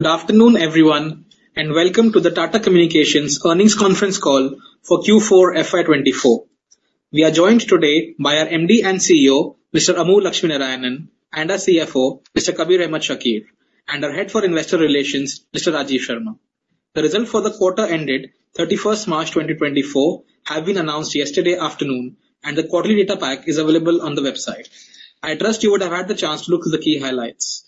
Good afternoon, everyone, and welcome to the Tata Communications Earnings Conference Call for Q4 FY 2024. We are joined today by our MD and CEO, Mr. Amur Lakshminarayanan, and our CFO, Mr. Kabir Ahmed Shakir, and our Head for Investor Relations, Mr. Rajiv Sharma. The result for the quarter ended 31st March 2024 have been announced yesterday afternoon, and the quarterly data pack is available on the website. I trust you would have had the chance to look through the key highlights.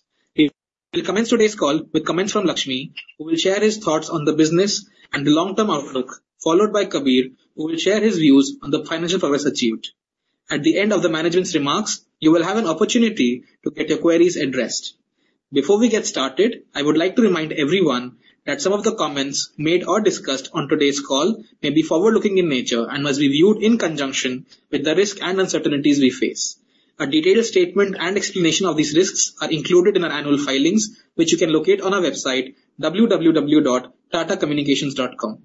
We will commence today's call with comments from Lakshmi, who will share his thoughts on the business and the long-term outlook, followed by Kabir, who will share his views on the financial progress achieved. At the end of the management's remarks, you will have an opportunity to get your queries addressed. Before we get started, I would like to remind everyone that some of the comments made or discussed on today's call may be forward-looking in nature and must be viewed in conjunction with the risk and uncertainties we face. A detailed statement and explanation of these risks are included in our annual filings, which you can locate on our website, www.tatacommunications.com.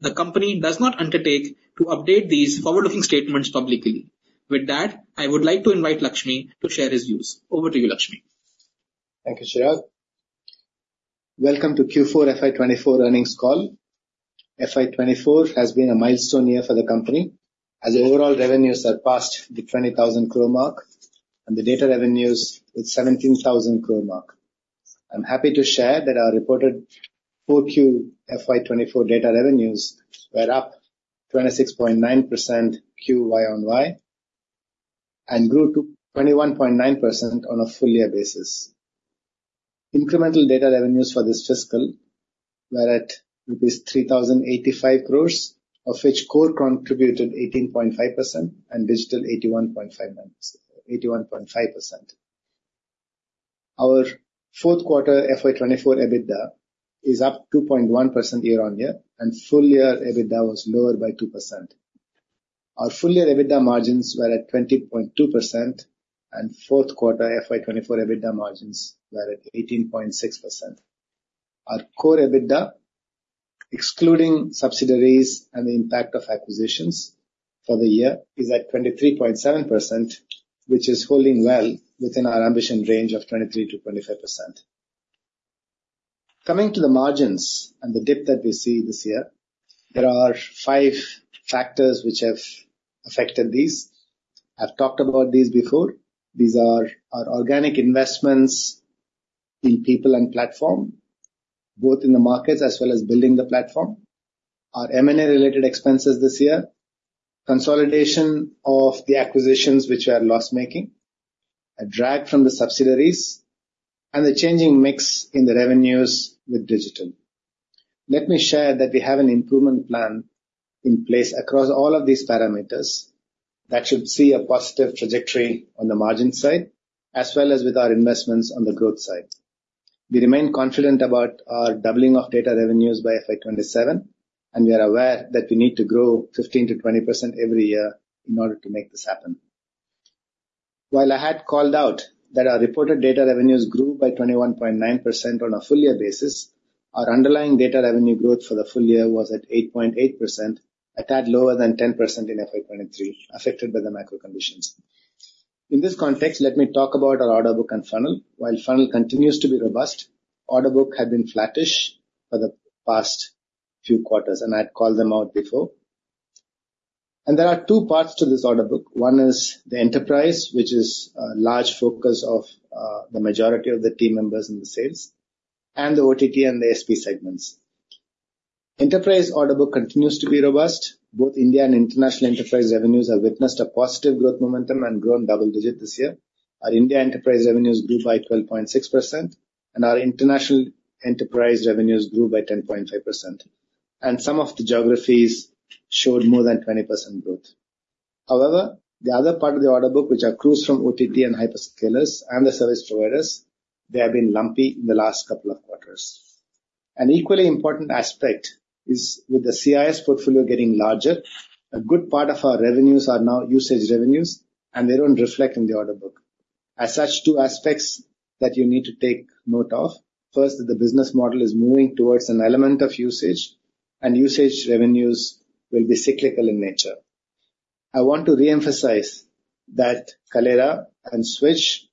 The company does not undertake to update these forward-looking statements publicly. With that, I would like to invite Lakshmi to share his views. Over to you, Lakshmi. Thank you, Chirag. Welcome to Q4 FY 2024 earnings call. FY 2024 has been a milestone year for the company, as overall revenues surpassed the 20,000 crore mark, and the data revenues, the 17,000 crore mark. I'm happy to share that our reported 4Q FY 2024 data revenues were up 26.9% YoY, and grew to 21.9% on a full year basis. Incremental data revenues for this fiscal were at rupees 3,085 crore, of which core contributed 18.5% and digital 81.59%, 81.5%. Our fourth quarter FY 2024 EBITDA is up 2.1% year on year, and full year EBITDA was lower by 2%. Our full year EBITDA margins were at 20.2%, and fourth quarter FY 2024 EBITDA margins were at 18.6%. Our core EBITDA, excluding subsidiaries and the impact of acquisitions for the year, is at 23.7%, which is holding well within our ambition range of 23%-25%. Coming to the margins and the dip that we see this year, there are five factors which have affected these. I've talked about these before. These are our organic investments in people and platform, both in the markets as well as building the platform, our M&A related expenses this year, consolidation of the acquisitions which are loss-making, a drag from the subsidiaries, and the changing mix in the revenues with digital. Let me share that we have an improvement plan in place across all of these parameters that should see a positive trajectory on the margin side, as well as with our investments on the growth side. We remain confident about our doubling of data revenues by FY 2027, and we are aware that we need to grow 15%-20% every year in order to make this happen. While I had called out that our reported data revenues grew by 21.9% on a full year basis, our underlying data revenue growth for the full year was at 8.8%, a tad lower than 10% in FY 2023, affected by the macro conditions. In this context, let me talk about our order book and funnel. While funnel continues to be robust, order book had been flattish for the past few quarters, and I'd call them out before. There are two parts to this order book. One is the enterprise, which is a large focus of, the majority of the team members in the sales, and the OTT and the SP segments. Enterprise order book continues to be robust. Both India and international enterprise revenues have witnessed a positive growth momentum and grown double-digit this year. Our India enterprise revenues grew by 12.6%, and our international enterprise revenues grew by 10.5%, and some of the geographies showed more than 20% growth. However, the other part of the order book, which accrues from OTT and hyperscalers and the service providers, they have been lumpy in the last couple of quarters. An equally important aspect is, with the CIS portfolio getting larger, a good part of our revenues are now usage revenues, and they don't reflect in the order book. As such, two aspects that you need to take note of. First, that the business model is moving towards an element of usage, and usage revenues will be cyclical in nature. I want to reemphasize that Kaleyra and Switch,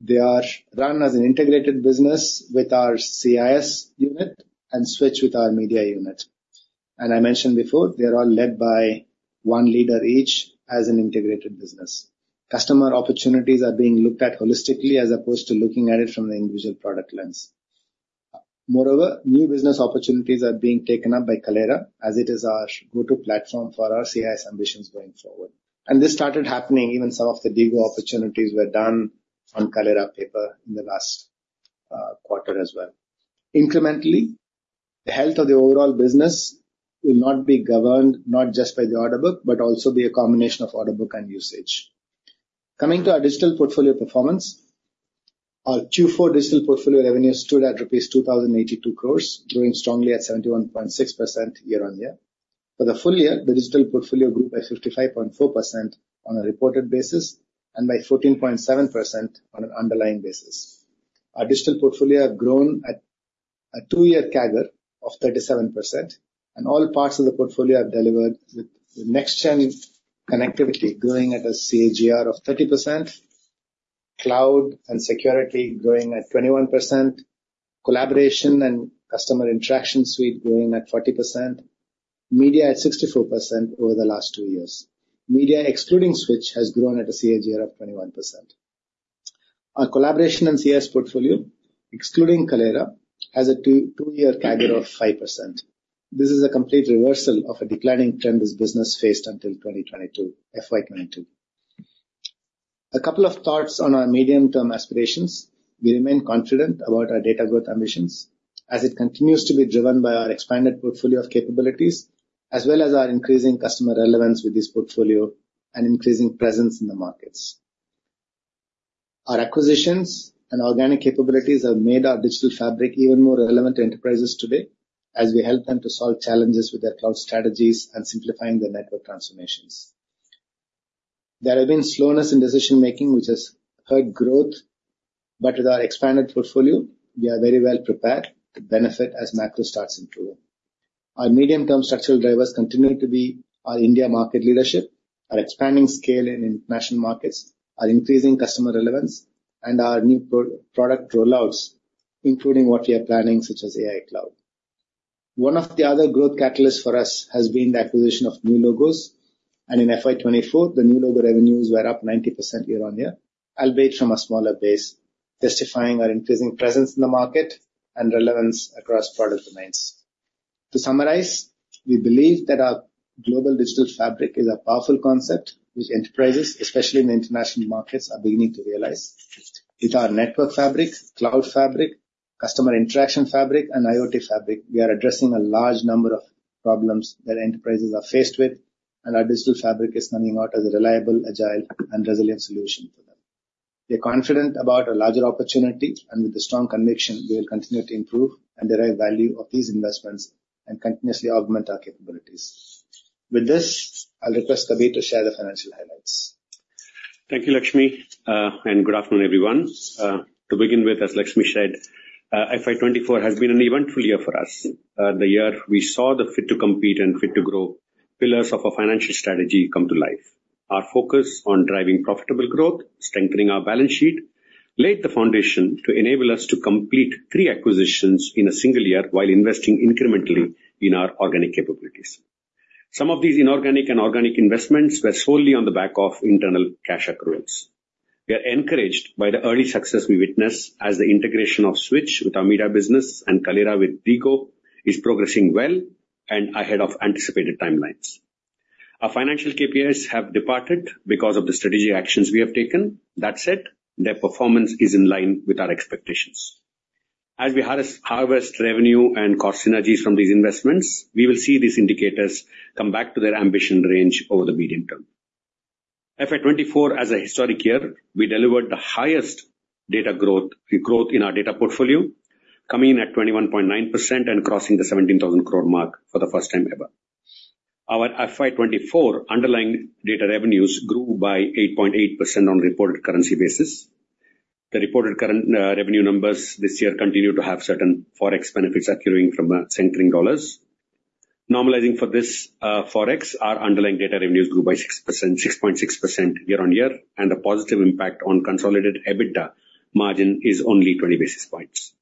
they are run as an integrated business with our CIS unit and Switch with our media unit. I mentioned before, they are all led by one leader each as an integrated business. Customer opportunities are being looked at holistically, as opposed to looking at it from the individual product lens. Moreover, new business opportunities are being taken up by Kaleyra, as it is our go-to platform for our CIS ambitions going forward. And this started happening, even some of the DIGO opportunities were done on Kaleyra paper in the last quarter as well. Incrementally, the health of the overall business will not be governed, not just by the order book, but also be a combination of order book and usage. Coming to our digital portfolio performance, our Q4 digital portfolio revenues stood at rupees 2,082 crores, growing strongly at 71.6% year-on-year. For the full year, the digital portfolio grew by 55.4% on a reported basis and by 14.7% on an underlying basis. Our digital portfolio have grown at two-year CAGR of 37%, and all parts of the portfolio have delivered, with the next-gen connectivity growing at a CAGR of 30%, cloud and security growing at 21%, collaboration and customer interaction suite growing at 40%, media at 64% over the last two years. Media, excluding Switch, has grown at a CAGR of 21%. Our collaboration and CIS portfolio, excluding Kaleyra, has a two-year CAGR of 5%. This is a complete reversal of a declining trend this business faced until 2022, FY 2022. A couple of thoughts on our medium-term aspirations. We remain confident about our data growth ambitions, as it continues to be driven by our expanded portfolio of capabilities, as well as our increasing customer relevance with this portfolio and increasing presence in the markets. Our acquisitions and organic capabilities have made our digital fabric even more relevant to enterprises today, as we help them to solve challenges with their cloud strategies and simplifying their network transformations. There have been slowness in decision-making, which has hurt growth, but with our expanded portfolio, we are very well prepared to benefit as macro starts improving. Our medium-term structural drivers continue to be our India market leadership, our expanding scale in international markets, our increasing customer relevance, and our new product rollouts, including what we are planning, such as AI Cloud. One of the other growth catalysts for us has been the acquisition of new logos, and in FY 2024, the new logo revenues were up 90% year-on-year, albeit from a smaller base, justifying our increasing presence in the market and relevance across product domains. To summarize, we believe that our global digital fabric is a powerful concept, which enterprises, especially in the international markets, are beginning to realize. With our network fabric, cloud fabric, customer interaction fabric, and IoT fabric, we are addressing a large number of problems that enterprises are faced with, and our digital fabric is coming out as a reliable, agile, and resilient solution for them. We are confident about a larger opportunity, and with a strong conviction, we will continue to improve and derive value of these investments, and continuously augment our capabilities. With this, I'll request Kabir to share the financial highlights. Thank you, Lakshmi, and good afternoon, everyone. To begin with, as Lakshmi said, FY 2024 has been an eventful year for us. The year we saw the Fit to Compete and Fit to Grow, pillars of our financial strategy come to life. Our focus on driving profitable growth, strengthening our balance sheet, laid the foundation to enable us to complete three acquisitions in a single year while investing incrementally in our organic capabilities. Some of these inorganic and organic investments were solely on the back of internal cash accruals. We are encouraged by the early success we witnessed as the integration of Switch with our media business and Kaleyra with DIGO is progressing well and ahead of anticipated timelines. Our financial KPIs have departed because of the strategic actions we have taken. That said, their performance is in line with our expectations. As we harvest revenue and cost synergies from these investments, we will see these indicators come back to their ambition range over the medium term. FY 2024, as a historic year, we delivered the highest data growth, growth in our data portfolio, coming in at 21.9% and crossing the 17,000 crore mark for the first time ever. Our FY 2024 underlying data revenues grew by 8.8% on reported currency basis. The reported current revenue numbers this year continue to have certain Forex benefits accruing from strengthening dollars. Normalizing for this Forex, our underlying data revenues grew by 6.6% year-on-year, and the positive impact on consolidated EBITDA margin is only 20 basis points.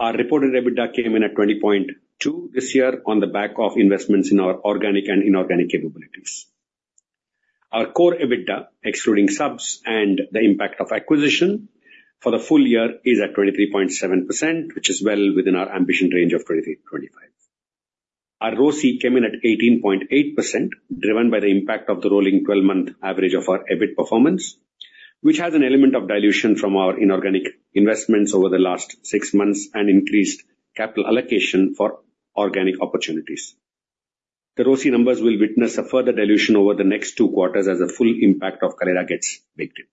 Our reported EBITDA came in at 20.2% this year on the back of investments in our organic and inorganic capabilities. Our core EBITDA, excluding subs and the impact of acquisition, for the full year, is at 23.7%, which is well within our ambition range of 23%-25%. Our ROCE came in at 18.8%, driven by the impact of the rolling 12-month average of our EBIT performance, which has an element of dilution from our inorganic investments over the last six months and increased capital allocation for organic opportunities. The ROCE numbers will witness a further dilution over the next two quarters as the full impact of Kaleyra gets baked in.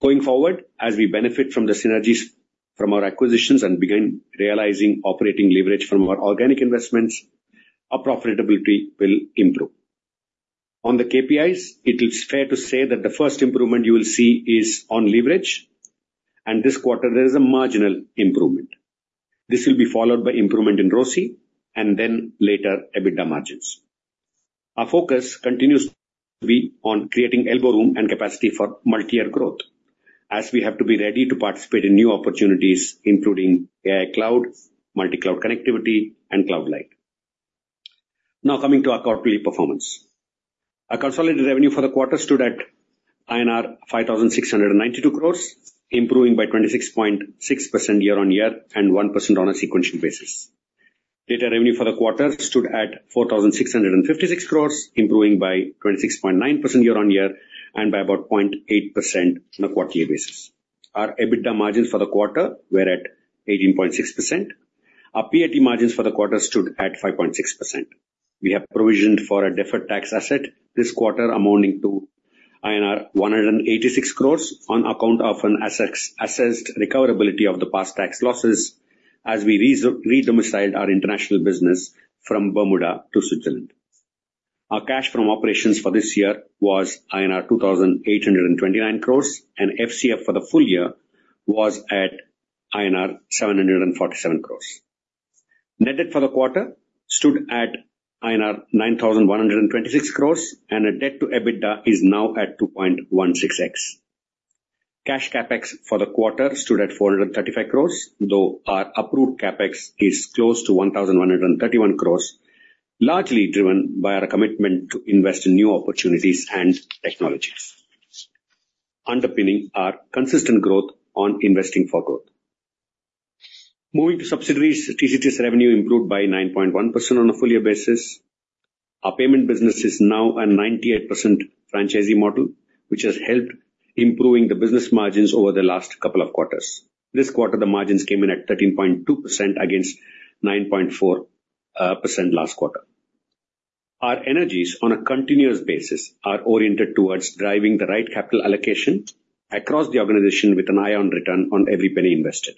Going forward, as we benefit from the synergies from our acquisitions and begin realizing operating leverage from our organic investments, our profitability will improve. On the KPIs, it is fair to say that the first improvement you will see is on leverage, and this quarter there is a marginal improvement. This will be followed by improvement in ROCE and then later, EBITDA margins. Our focus continues to be on creating elbow room and capacity for multiyear growth, as we have to be ready to participate in new opportunities, including AI cloud, multi-cloud connectivity, and CloudLyte. Now, coming to our quarterly performance. Our consolidated revenue for the quarter stood at INR 5,692 crores, improving by 26.6% year-on-year and 1% on a sequential basis. Data revenue for the quarter stood at 4,656 crores, improving by 26.9% year-on-year and by about 0.8% on a quarterly basis. Our EBITDA margins for the quarter were at 18.6%. Our PAT margins for the quarter stood at 5.6%. We have provisioned for a deferred tax asset this quarter, amounting to INR 186 crores on account of an assessed recoverability of the past tax losses as we redomiciled our international business from Bermuda to Switzerland. Our cash from operations for this year was INR 2,829 crores, and FCF for the full year was at INR 747 crores. Net debt for the quarter stood at INR 9,126 crores, and our debt to EBITDA is now at 2.16x. Cash CapEx for the quarter stood at 435 crores, though our approved CapEx is close to 1,131 crores, largely driven by our commitment to invest in new opportunities and technologies, underpinning our consistent growth on investing for growth. Moving to subsidiaries, TCTS revenue improved by 9.1% on a full year basis. Our payment business is now a 98% franchisee model, which has helped improving the business margins over the last couple of quarters. This quarter, the margins came in at 13.2% against 9.4% last quarter. Our energies, on a continuous basis, are oriented towards driving the right capital allocation across the organization with an eye on return on every penny invested.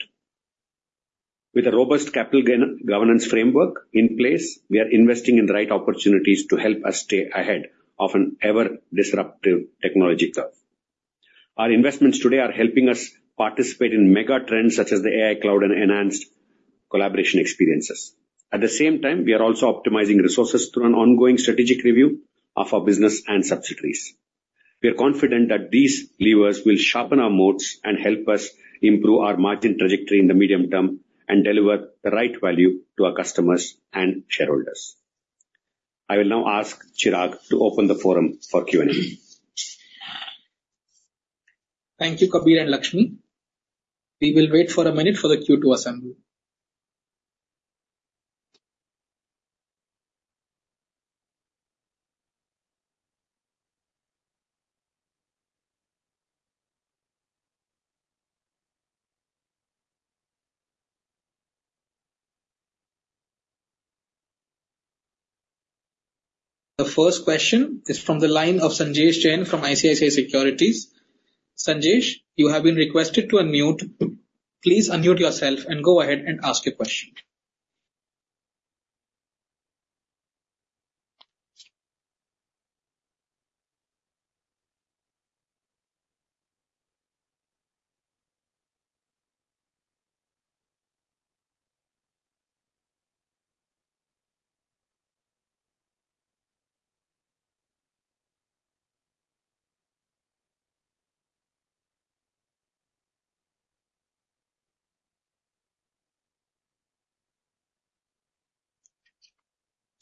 With a robust capital governance framework in place, we are investing in the right opportunities to help us stay ahead of an ever-disruptive technology curve. Our investments today are helping us participate in mega trends such as the AI Cloud and enhanced collaboration experiences. At the same time, we are also optimizing resources through an ongoing strategic review of our business and subsidiaries. We are confident that these levers will sharpen our moats and help us improve our margin trajectory in the medium term and deliver the right value to our customers and shareholders. I will now ask Chirag to open the forum for Q&A. Thank you, Kabir and Lakshmi. We will wait for a minute for the queue to assemble. The first question is from the line of Sanjesh Jain from ICICI Securities. Sanjesh, you have been requested to unmute. Please unmute yourself and go ahead and ask your question.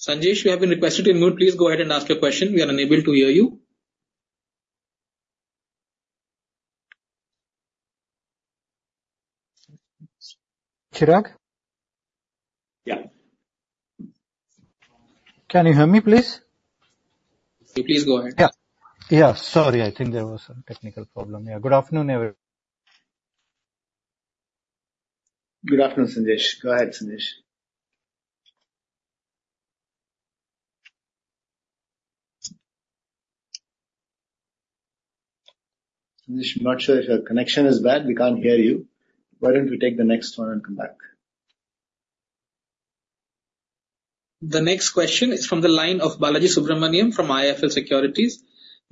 Sanjesh, you have been requested to unmute. Please go ahead and ask your question. We are unable to hear you. Chirag? Yeah. Can you hear me, please? Please go ahead. Yeah. Yeah, sorry, I think there was some technical problem. Yeah. Good afternoon, every- Good afternoon, Sanjesh. Go ahead, Sanjesh. Sanjesh, I'm not sure if your connection is bad. We can't hear you. Why don't we take the next one and come back? The next question is from the line of Balaji Subramaniam from IIFL Securities.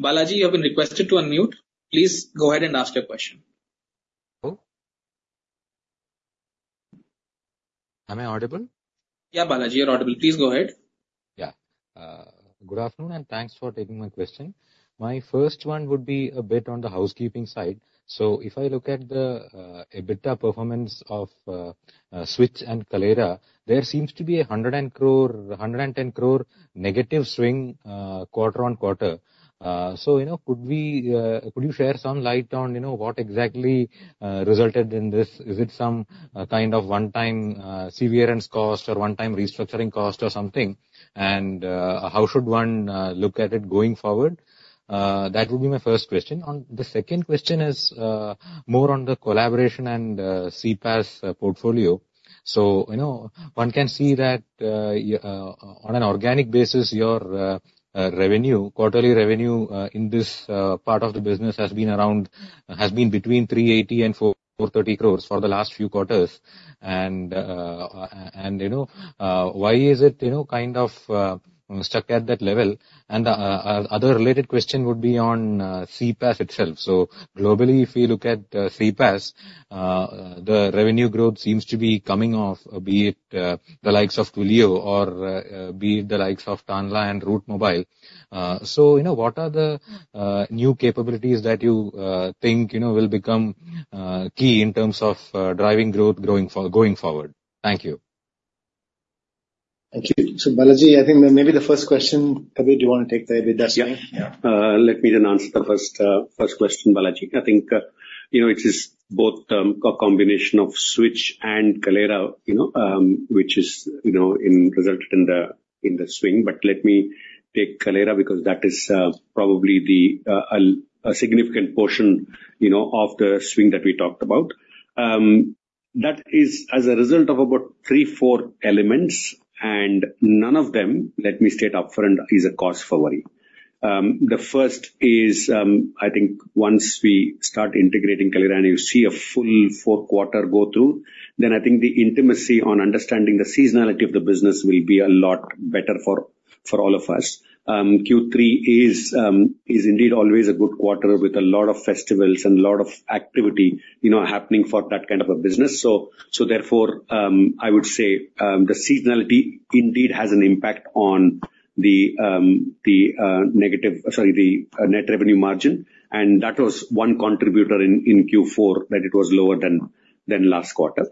Balaji, you have been requested to unmute. Please go ahead and ask your question. Hello? Am I audible? Yeah, Balaji, you're audible. Please go ahead. Yeah. Good afternoon, and thanks for taking my question. My first one would be a bit on the housekeeping side. So if I look at the EBITDA performance of Switch and Kaleyra, there seems to be 110 crore negative swing quarter-on-quarter. So, you know, could you shed some light on what exactly resulted in this? Is it some kind of one-time severance cost or one-time restructuring cost or something? And how should one look at it going forward? That would be my first question. The second question is more on the collaboration and CPaaS portfolio. So, you know, one can see that, on an organic basis, your revenue, quarterly revenue, in this part of the business has been around, has been between 380 crore-440 crore for the last few quarters. And, you know, why is it, you know, kind of, stuck at that level? And, other related question would be on, CPaaS itself. So globally, if we look at, CPaaS, the revenue growth seems to be coming off, be it the likes of Twilio or be it the likes of Tanla and Route Mobile. So, you know, what are the, new capabilities that you think, you know, will become, key in terms of, driving growth going forward? Thank you. Thank you. So, Balaji, I think maybe the first question, Kabir, do you want to take the EBITDA? Yeah. Let me then answer the first, first question, Balaji. I think, you know, it is both, a combination of Switch and Kaleyra, you know, which resulted in the swing. But let me take Kaleyra, because that is, probably a significant portion, you know, of the swing that we talked about. That is as a result of about three, four elements, and none of them, let me state upfront, is a cause for worry. The first is, I think once we start integrating Kaleyra, and you see a full fourth quarter go through, then I think the intimacy on understanding the seasonality of the business will be a lot better for all of us. Q3 is indeed always a good quarter with a lot of festivals and a lot of activity, you know, happening for that kind of a business. So therefore, I would say, the seasonality indeed has an impact on the, the negative, sorry, the net revenue margin, and that was one contributor in Q4, that it was lower than last quarter.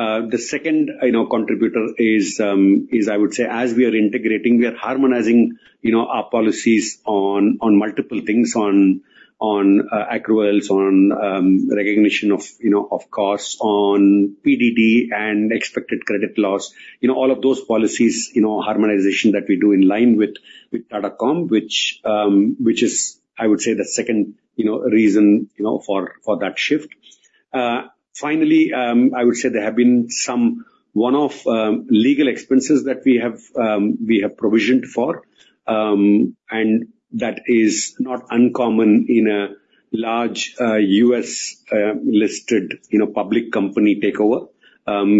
The second, I know, contributor is I would say, as we are integrating, we are harmonizing, you know, our policies on multiple things, on accruals, on recognition of, you know, of costs, on PDD and expected credit loss. You know, all of those policies, you know, harmonization that we do in line with Tata Comm, which is, I would say, the second, you know, reason, you know, for that shift. Finally, I would say there have been some one-off legal expenses that we have provisioned for, and that is not uncommon in a large U.S. listed, you know, public company takeover,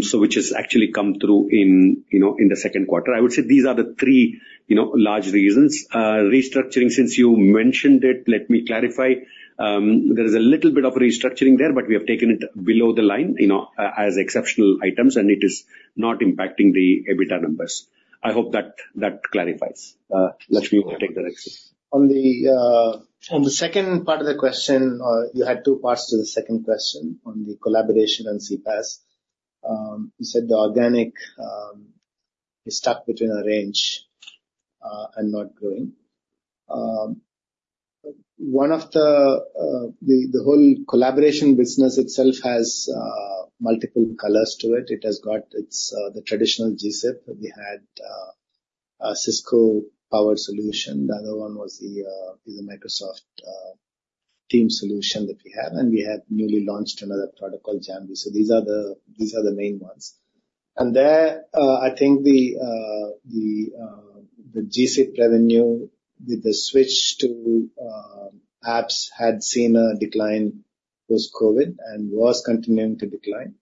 so which has actually come through in, you know, in the second quarter. I would say these are the three, you know, large reasons. Restructuring, since you mentioned it, let me clarify. There is a little bit of restructuring there, but we have taken it below the line, you know, as exceptional items, and it is not impacting the EBITDA numbers. I hope that clarifies. Lakshmi, you want to take the next? On the second part of the question, you had two parts to the second question on the collaboration and CPaaS. You said the organic is stuck between a range and not growing. One of the whole collaboration business itself has multiple colors to it. It has got its, the traditional GSIP we had, a Cisco-powered solution. The other one was the is a Microsoft Teams solution that we have, and we have newly launched another product called JAMVEE. So these are the, these are the main ones. And there, I think the the the GSIP revenue, with the switch to apps, had seen a decline with COVID and was continuing to decline.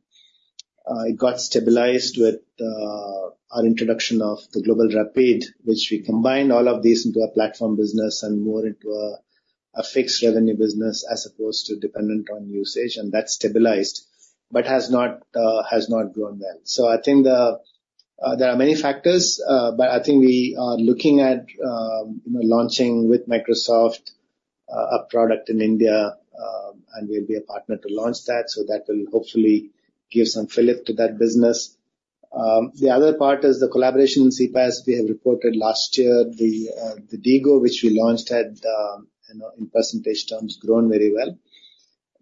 It got stabilized with our introduction of the GlobalRapide, which we combined all of these into a platform business and more into a fixed revenue business as opposed to dependent on usage, and that stabilized but has not grown well. So I think there are many factors, but I think we are looking at, you know, launching with Microsoft a product in India, and we'll be a partner to launch that, so that will hopefully give some fillip to that business. The other part is the collaboration in CPaaS. We have reported last year, the DIGO, which we launched, had, you know, in percentage terms, grown very well.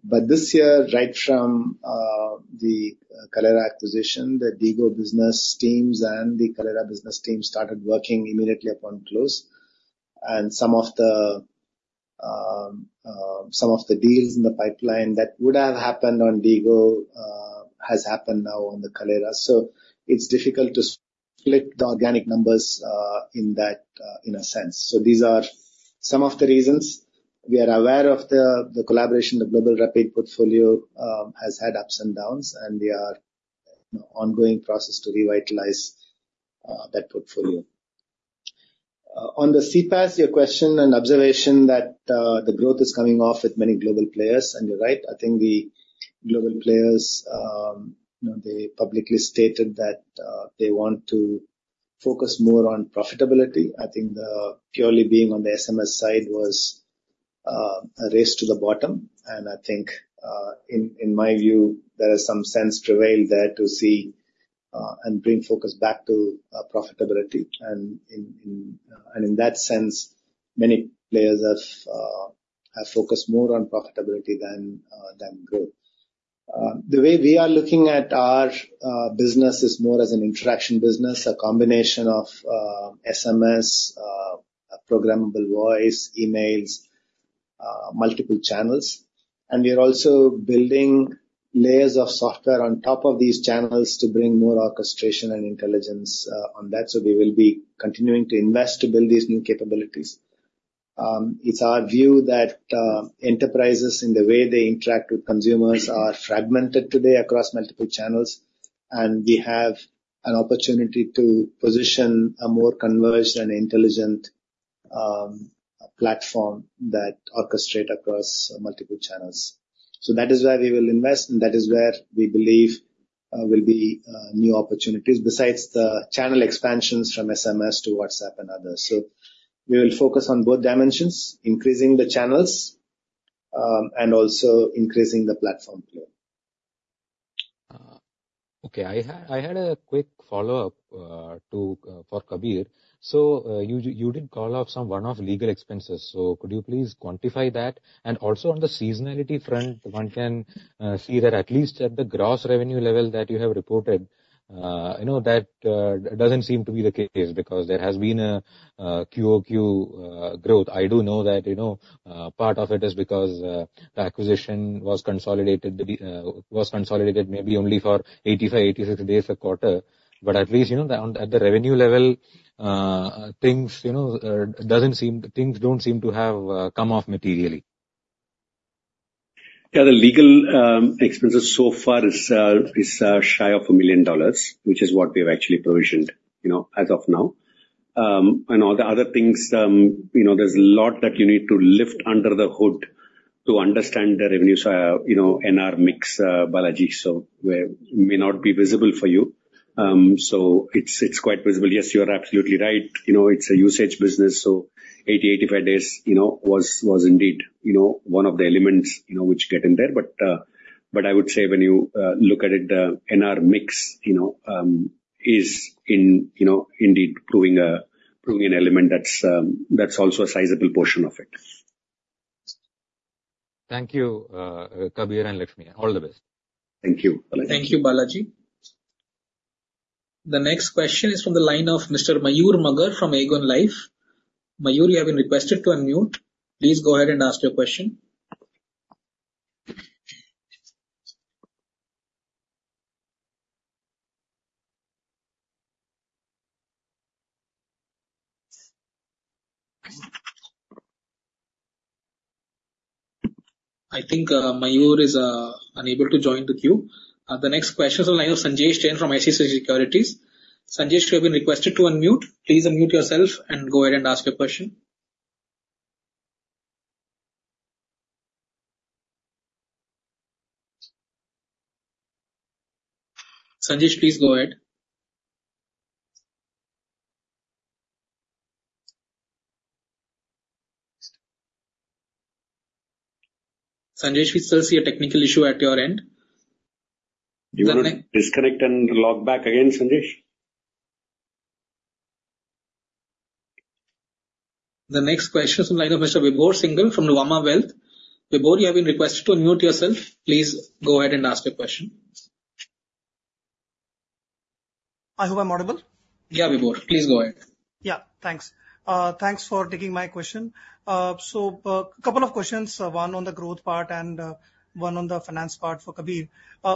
But this year, right from the Kaleyra acquisition, the DIGO business teams and the Kaleyra business teams started working immediately upon close. Some of the deals in the pipeline that would have happened on DIGO has happened now on the Kaleyra. So it's difficult to split the organic numbers in that in a sense. So these are some of the reasons. We are aware of the collaboration. The GlobalRapide portfolio has had ups and downs, and we are in ongoing process to revitalize that portfolio. On the CPaaS, your question and observation that the growth is coming off with many global players, and you're right. I think the global players you know they publicly stated that they want to focus more on profitability. I think the purely being on the SMS side was a race to the bottom, and I think, in my view, there is some sense prevailed there to see and bring focus back to profitability. And in that sense, many players have focused more on profitability than growth. The way we are looking at our business is more as an interaction business, a combination of SMS, a programmable voice, emails, multiple channels. And we are also building layers of software on top of these channels to bring more orchestration and intelligence on that. So we will be continuing to invest to build these new capabilities. It's our view that enterprises, in the way they interact with consumers, are fragmented today across multiple channels, and we have an opportunity to position a more converged and intelligent platform that orchestrate across multiple channels. So that is where we will invest, and that is where we believe will be new opportunities besides the channel expansions from SMS to WhatsApp and others. So we will focus on both dimensions, increasing the channels, and also increasing the platform play. Okay. I had a quick follow-up to for Kabir. So, you did call out some one-off legal expenses, so could you please quantify that? And also, on the seasonality front, one can see that at least at the gross revenue level that you have reported, I know that doesn't seem to be the case, because there has been a QoQ growth. I do know that, you know, part of it is because the acquisition was consolidated, was consolidated maybe only for 85, 86 days a quarter. But at least, you know, down at the revenue level, things, you know, doesn't seem, things don't seem to have come off materially. Yeah, the legal expenses so far is shy of $1 million, which is what we've actually provisioned, you know, as of now. And all the other things, you know, there's a lot that you need to lift under the hood to understand the revenues, you know, NR mix, you know, Balaji, so where may not be visible for you. So it's quite visible. Yes, you are absolutely right. You know, it's a usage business, so 80-85 days, you know, was indeed, you know, one of the elements, you know, which get in there. But I would say when you look at it, the NR mix, you know, is indeed proving an element that's also a sizable portion of it. Thank you, Kabir and Lakshmi. All the best. Thank you, Balaji. Thank you, Balaji. The next question is from the line of Mr. Mayur Magar from Aegon Life. Mayur, you have been requested to unmute. Please go ahead and ask your question. I think, Mayur is, unable to join the queue. The next question is from the line of Sanjesh Jain from ICICI Securities. Sanjesh, you have been requested to unmute. Please unmute yourself and go ahead and ask your question. Sanjesh, please go ahead. Sanjesh, we still see a technical issue at your end. Do you want to disconnect and log back again, Sanjesh? The next question is from Mr. Vibhor Singhal from Nuvama Wealth. Vibhor, you have been requested to unmute yourself. Please go ahead and ask your question. I hope I'm audible? Yeah, Vibhor, please go ahead. Yeah, thanks. Thanks for taking my question. So, couple of questions, one on the growth part and one on the finance part for Kabir.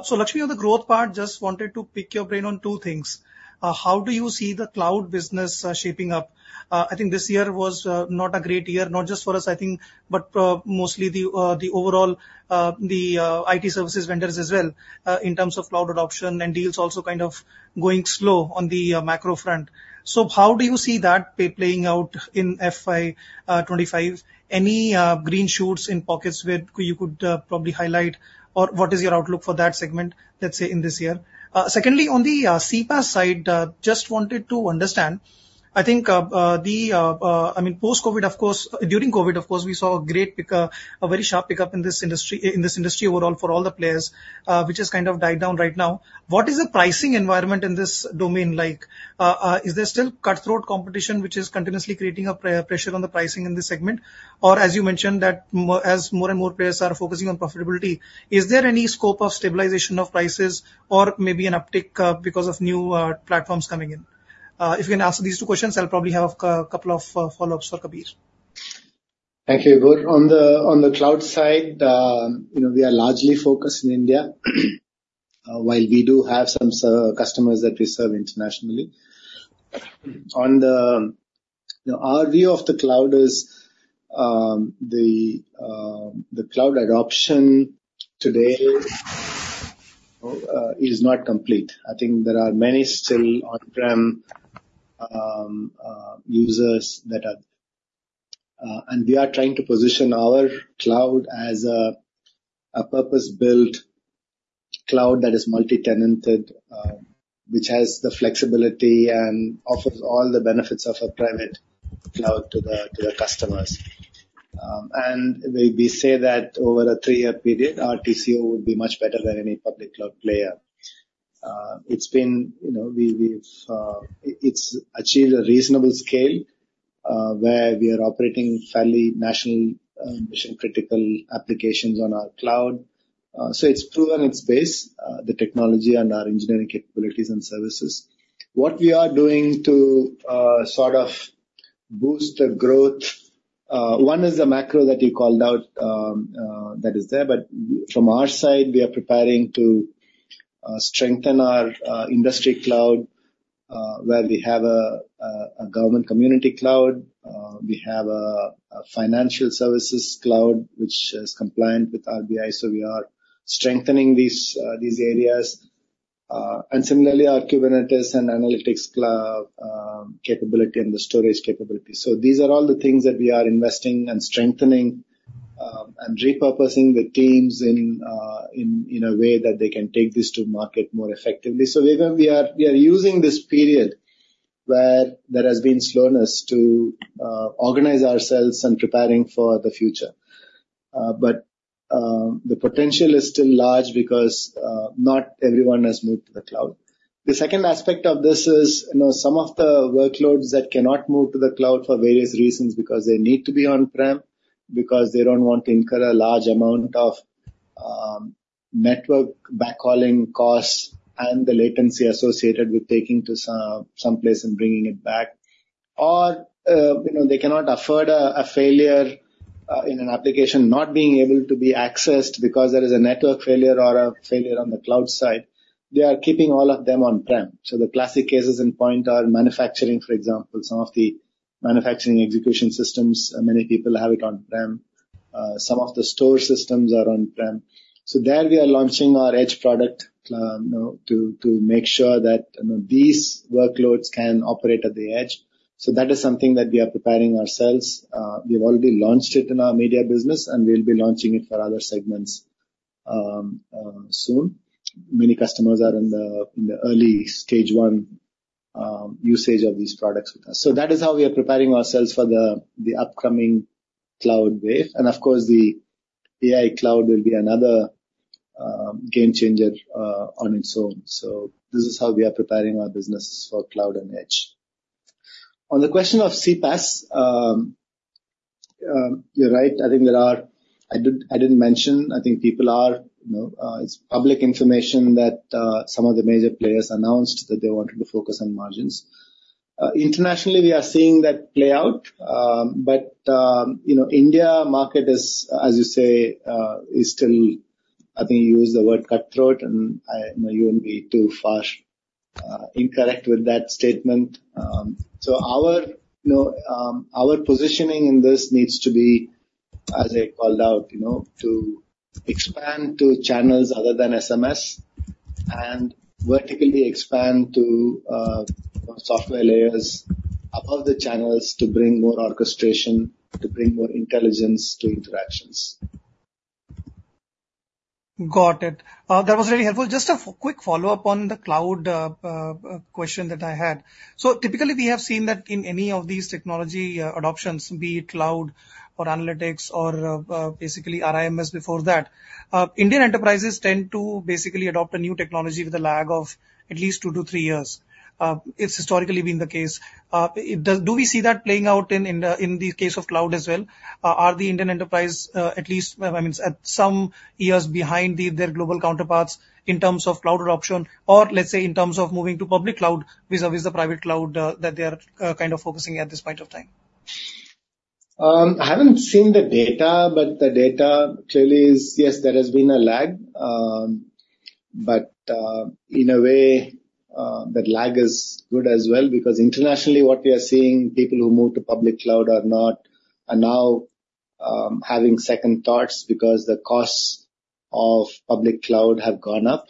So Lakshmi, on the growth part, just wanted to pick your brain on two things. How do you see the cloud business shaping up? I think this year was not a great year, not just for us, I think, but mostly the overall IT services vendors as well, in terms of cloud adoption and deals also kind of going slow on the macro front. So how do you see that playing out in FY 2025? Any green shoots in pockets where you could probably highlight, or what is your outlook for that segment, let's say, in this year? Secondly, on the CPaaS side, just wanted to understand. I think, I mean, post-COVID, of course. During COVID, of course, we saw a great pick up, a very sharp pickup in this industry, in this industry overall for all the players, which has kind of died down right now. What is the pricing environment in this domain like? Is there still cutthroat competition, which is continuously creating a pressure on the pricing in this segment? Or as you mentioned, as more and more players are focusing on profitability, is there any scope of stabilization of prices or maybe an uptick, because of new platforms coming in? If you can answer these two questions, I'll probably have a couple of follow-ups for Kabir. Thank you, Vibhor. On the cloud side, you know, we are largely focused in India, while we do have some customers that we serve internationally. You know, our view of the cloud is the cloud adoption today is not complete. I think there are many still on-prem users that are, and we are trying to position our cloud as a purpose-built cloud that is multi-tenanted, which has the flexibility and offers all the benefits of a private cloud to the customers. And we say that over a three-year period, our TCO would be much better than any public cloud player. It's been, you know, we've achieved a reasonable scale, where we are operating fairly national mission-critical applications on our cloud. So it's proven its base, the technology and our engineering capabilities and services. What we are doing to sort of boost the growth, one is the macro that you called out, that is there. But from our side, we are preparing to strengthen our industry cloud, where we have a government community cloud. We have a financial services cloud, which is compliant with RBI. So we are strengthening these areas, and similarly, our Kubernetes and analytics cloud capability and the storage capability. So these are all the things that we are investing and strengthening, and repurposing the teams in a way that they can take this to market more effectively. So we are using this period, where there has been slowness to organize ourselves and preparing for the future. But the potential is still large because not everyone has moved to the cloud. The second aspect of this is, you know, some of the workloads that cannot move to the cloud for various reasons, because they need to be on-prem, because they don't want to incur a large amount of network backhauling costs and the latency associated with taking to someplace and bringing it back. Or, you know, they cannot afford a failure in an application not being able to be accessed because there is a network failure or a failure on the cloud side. They are keeping all of them on-prem. So the classic cases in point are manufacturing, for example, some of the manufacturing execution systems, many people have it on-prem. Some of the store systems are on-prem. So there we are launching our Edge product, you know, to make sure that, you know, these workloads can operate at the edge. So that is something that we are preparing ourselves. We've already launched it in our media business, and we'll be launching it for other segments soon. Many customers are in the early stage one usage of these products with us. So that is how we are preparing ourselves for the upcoming cloud wave. And of course, the AI Cloud will be another game changer on its own. So this is how we are preparing our business for cloud and edge. On the question of CPaaS, you're right, I think there are, I did, I didn't mention, I think people are, you know, it's public information that some of the major players announced that they wanted to focus on margins. Internationally, we are seeing that play out, but, you know, India market is, as you say, is still, I think you used the word cutthroat, and you wouldn't be too far incorrect with that statement. So our, you know, our positioning in this needs to be, as I called out, you know, to expand to channels other than SMS, and vertically expand to software layers above the channels to bring more orchestration, to bring more intelligence to interactions. Got it. That was really helpful. Just a quick follow-up on the cloud question that I had. So typically, we have seen that in any of these technology adoptions, be it cloud or analytics or basically RIMS before that, Indian enterprises tend to basically adopt a new technology with a lag of at least two to three years. It's historically been the case. Do we see that playing out in the case of cloud as well? Are the Indian enterprise at least I mean at some years behind their global counterparts in terms of cloud adoption, or let's say, in terms of moving to public cloud vis-à-vis the private cloud that they are kind of focusing at this point of time? I haven't seen the data, but the data clearly is... Yes, there has been a lag. But in a way, that lag is good as well, because internationally, what we are seeing, people who moved to public cloud are now having second thoughts because the costs of public cloud have gone up.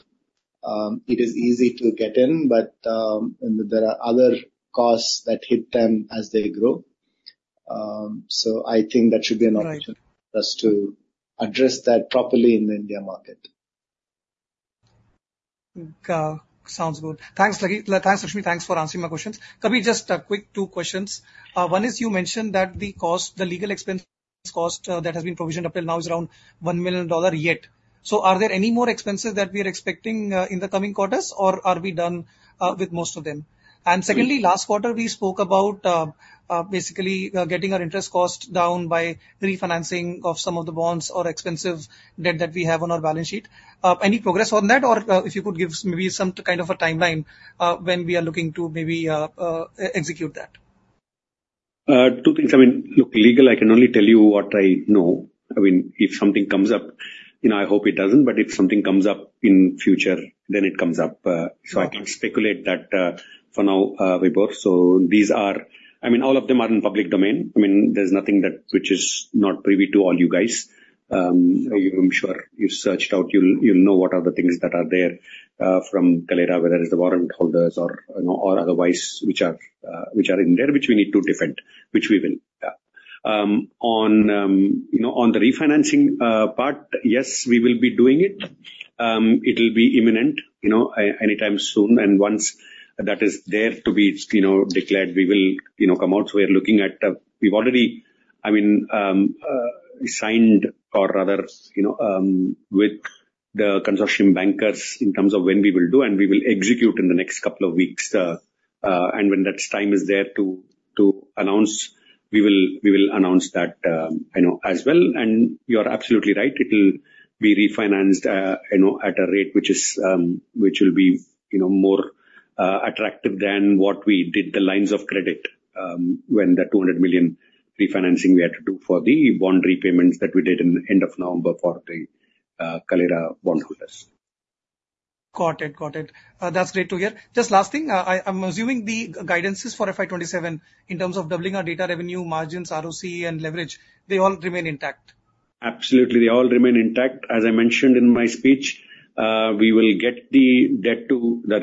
It is easy to get in, but there are other costs that hit them as they grow. So I think that should be an opportunity- Right. For us to address that properly in the India market. Sounds good. Thanks, thanks, Lakshmi, thanks for answering my questions. Kabir, just a quick two questions. One is, you mentioned that the cost, the legal expense cost, that has been provisioned up till now is around $1 million yet. So are there any more expenses that we are expecting, in the coming quarters, or are we done, with most of them? Sure. Secondly, last quarter, we spoke about, basically, getting our interest costs down by refinancing of some of the bonds or expensive debt that we have on our balance sheet. Any progress on that? Or, if you could give maybe some kind of a timeline, when we are looking to maybe, execute that. Two things. I mean, look, legal, I can only tell you what I know. I mean, if something comes up, you know, I hope it doesn't, but if something comes up in future, then it comes up. Right. So I can't speculate that, for now, Vibhor. So these are... I mean, all of them are in public domain. I mean, there's nothing that, which is not privy to all you guys. I'm sure you've searched out, you'll know what are the things that are there, from Kaleyra, whether it's the warrant holders or, you know, or otherwise, which are, which we need to defend, which we will. Yeah. On, you know, on the refinancing, part, yes, we will be doing it. It will be imminent, you know, anytime soon, and once that is there to be, you know, declared, we will, you know, come out. We are looking at... We've already, I mean, signed or rather, you know, with the consortium bankers in terms of when we will do, and we will execute in the next couple of weeks. And when that time is there to announce, we will announce that, you know, as well. And you are absolutely right, it will be refinanced, you know, at a rate which is, which will be, you know, more attractive than what we did, the lines of credit, when the $200 million refinancing we had to do for the bond repayments that we did in the end of November for the Kaleyra bond holders. Got it. Got it. That's great to hear. Just last thing, I, I'm assuming the guidances for FY 2027 in terms of doubling our data revenue, margins, ROC and leverage, they all remain intact? Absolutely, they all remain intact. As I mentioned in my speech, we will get the debt to the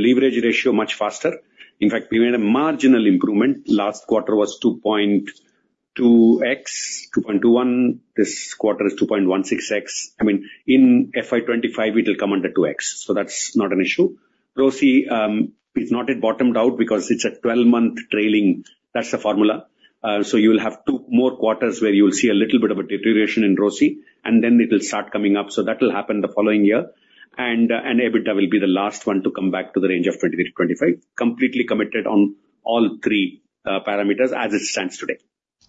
leverage ratio much faster. In fact, we made a marginal improvement. Last quarter was 2.2x, 2.21x. This quarter is 2.16x. I mean, in FY 2025, it will come under 2x, so that's not an issue. ROC, it's not yet bottomed out because it's a 12-month trailing. That's the formula. So you will have two more quarters where you will see a little bit of a deterioration in ROC, and then it will start coming up. So that will happen the following year. And EBITDA will be the last one to come back to the range of 23%-25%. Completely committed on all three parameters as it stands today.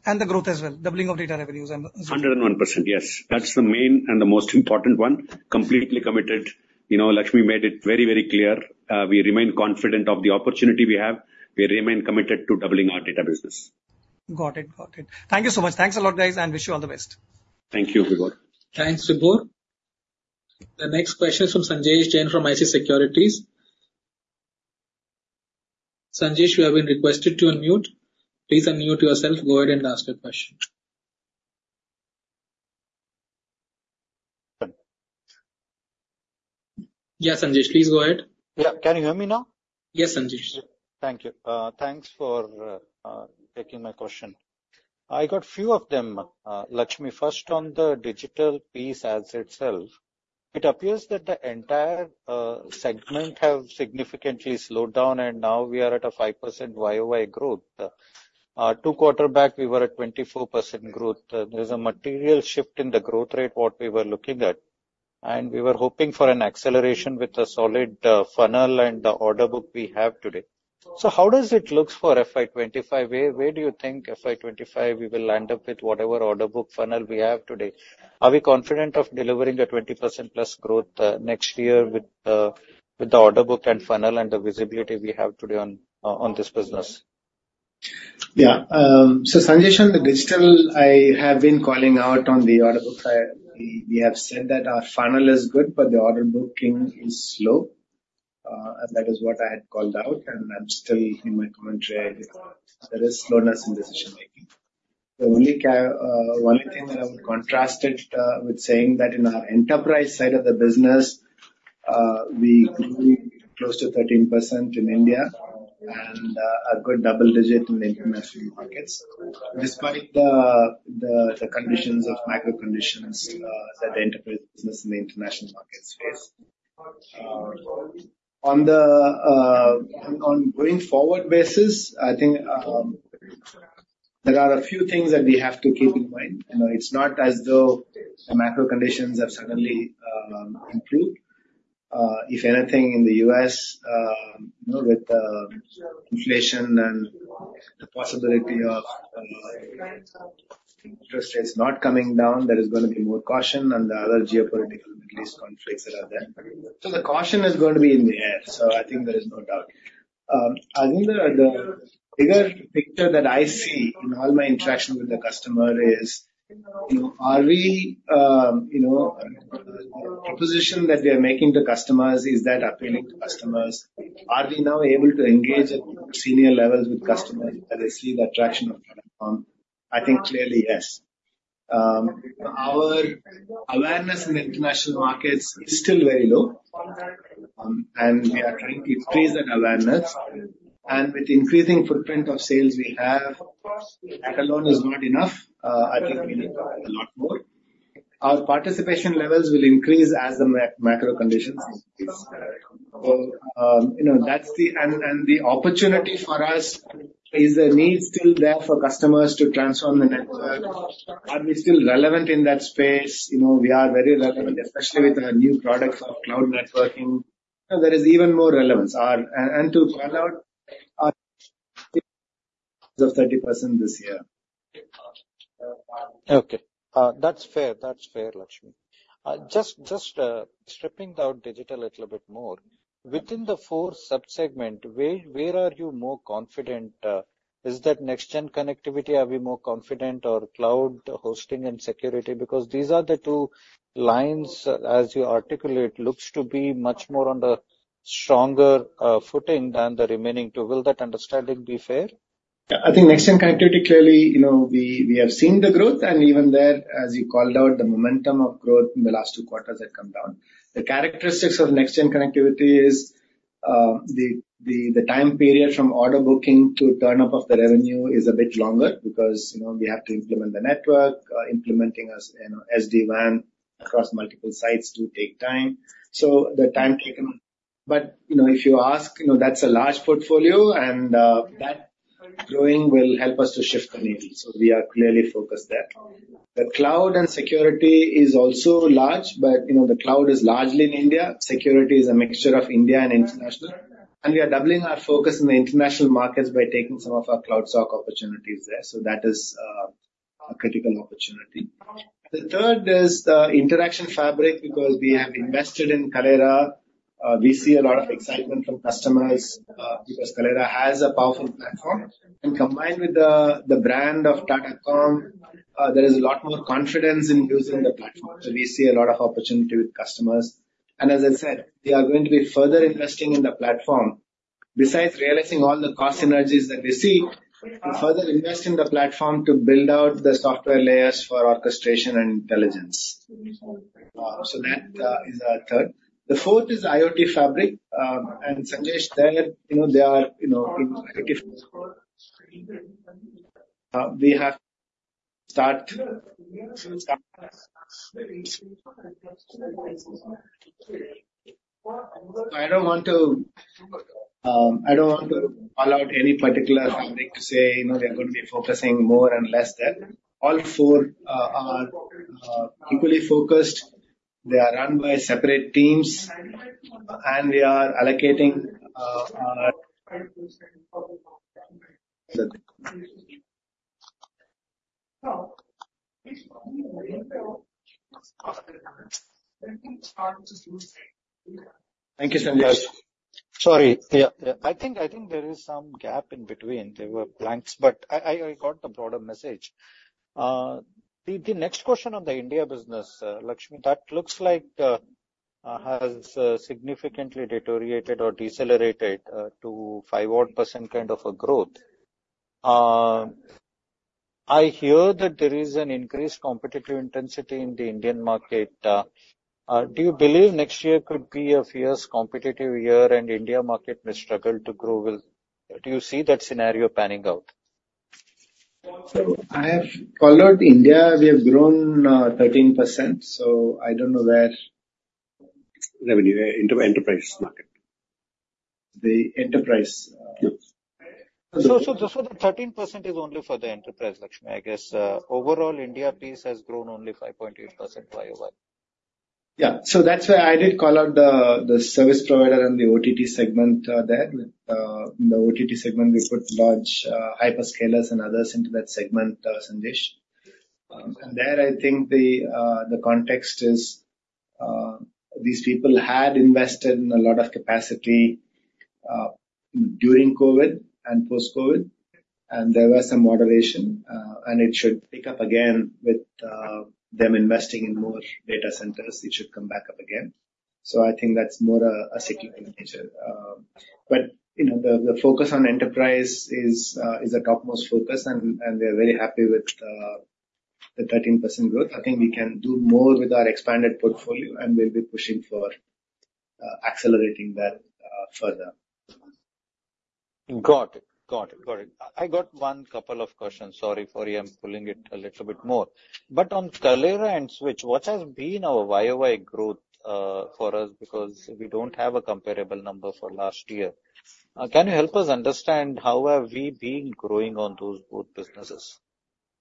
The growth as well, doubling of data revenues, I'm assuming. 101%, yes. That's the main and the most important one. Completely committed. You know, Lakshmi made it very, very clear. We remain confident of the opportunity we have. We remain committed to doubling our data business. Got it. Got it. Thank you so much. Thanks a lot, guys, and wish you all the best. Thank you, Vibhor. Thanks, Vibhor. The next question is from Sanjesh Jain from ICICI Securities. Sanjesh, you have been requested to unmute. Please unmute yourself. Go ahead and ask your question. Yeah, Sanjesh, please go ahead. Yeah. Can you hear me now? Yes, Sanjesh. Thank you. Thanks for taking my question. I got few of them, Lakshmi. First, on the digital piece as itself, it appears that the entire segment have significantly slowed down, and now we are at a 5% YoY growth. Two quarter back, we were at 24% growth. There's a material shift in the growth rate, what we were looking at, and we were hoping for an acceleration with a solid funnel and the order book we have today. So how does it look for FY 2025? Where, where do you think FY 2025 we will land up with whatever order book funnel we have today? Are we confident of delivering a 20%+ growth next year with the, with the order book and funnel and the visibility we have today on, on this business? Yeah. So Sanjesh, on the digital, I have been calling out on the order books. We have said that our funnel is good, but the order booking is slow, and that is what I had called out, and I'm still in my commentary. There is slowness in decision making. The only thing that I would contrast it with saying that in our enterprise side of the business, we grew close to 13% in India and a good double-digit in the international markets, despite the conditions of macro conditions that the enterprise business in the international markets face. On the on-going forward basis, I think, there are a few things that we have to keep in mind. You know, it's not as though the macro conditions have suddenly improved. If anything, in the U.S., you know, with inflation and the possibility of interest rates not coming down, there is gonna be more caution and the other geopolitical Middle East conflicts that are there. So the caution is going to be in the air, so I think there is no doubt. I think the bigger picture that I see in all my interactions with the customer is, you know, the proposition that we are making to customers, is that appealing to customers? Are we now able to engage at senior levels with customers, as they see the attraction of Tata Comm? I think clearly, yes. Our awareness in the international markets is still very low, and we are trying to increase that awareness. With increasing footprint of sales we have, that alone is not enough. I think we need a lot more. Our participation levels will increase as the macro conditions improve. So, you know, that's the... And the opportunity for us, is the need still there for customers to transform the network? Are we still relevant in that space? You know, we are very relevant, especially with our new products for cloud networking. You know, there is even more relevance. And to call out our 30% this year. Okay. That's fair. That's fair, Lakshmi. Just, just, stripping down digital a little bit more, within the four sub-segment, where, where are you more confident, is that next gen connectivity, are we more confident or cloud hosting and security? Because these are the two lines, as you articulate, looks to be much more on the stronger footing than the remaining two. Will that understanding be fair? Yeah. I think next-gen connectivity, clearly, you know, we have seen the growth, and even there, as you called out, the momentum of growth in the last two quarters have come down. The characteristics of next-gen connectivity is the time period from order booking to turn-up of the revenue is a bit longer because, you know, we have to implement the network, implementing, as you know, SD-WAN across multiple sites do take time. So the time taken... But, you know, if you ask, you know, that's a large portfolio, and that growing will help us to shift the needle, so we are clearly focused there. The cloud and security is also large, but, you know, the cloud is largely in India. Security is a mixture of India and international. We are doubling our focus in the international markets by taking some of our cloud SOC opportunities there. So that is a critical opportunity. The third is the interaction fabric, because we have invested in Kaleyra. We see a lot of excitement from customers, because Kaleyra has a powerful platform. And combined with the brand of Tata Comm, there is a lot more confidence in using the platform. So we see a lot of opportunity with customers. And as I said, we are going to be further investing in the platform. Besides realizing all the cost synergies that we see, and further invest in the platform to build out the software layers for orchestration and intelligence. So that is our third. The fourth is IoT fabric. And Sanjesh, there, you know, they are, you know, in... We have start. I don't want to call out any particular fabric to say, you know, we're going to be focusing more and less there. All four are equally focused. They are run by separate teams, and we are allocating our... Thank you, Sanjesh. Sorry. Yeah, yeah, I think, I think there is some gap in between. There were blanks, but I got the broader message. The next question on the India business, Lakshmi, that looks like has significantly deteriorated or decelerated to 5%-odd kind of a growth. I hear that there is an increased competitive intensity in the Indian market. Do you believe next year could be a fierce competitive year and India market may struggle to grow? Well, do you see that scenario panning out? So I have followed India. We have grown, 13%, so I don't know where- Revenue into enterprise market. The enterprise? Yes. So, just for the 13% is only for the enterprise, Lakshmi. I guess, overall, India piece has grown only 5.8% YoY. Yeah. So that's why I did call out the service provider and the OTT segment there. In the OTT segment, we put large hyperscalers and others into that segment, Sanjesh. And there, I think the context is these people had invested in a lot of capacity during COVID and post-COVID, and there was some moderation, and it should pick up again with them investing in more data centers. It should come back up again. So I think that's more a cyclical nature. But, you know, the focus on enterprise is a topmost focus, and we are very happy with the 13% growth. I think we can do more with our expanded portfolio, and we'll be pushing for accelerating that further. Got it. Got it, got it. I got one couple of questions. Sorry for I'm pulling it a little bit more. But on Kaleyra and Switch, what has been our YoY growth for us? Because we don't have a comparable number for last year. Can you help us understand how have we been growing on those both businesses?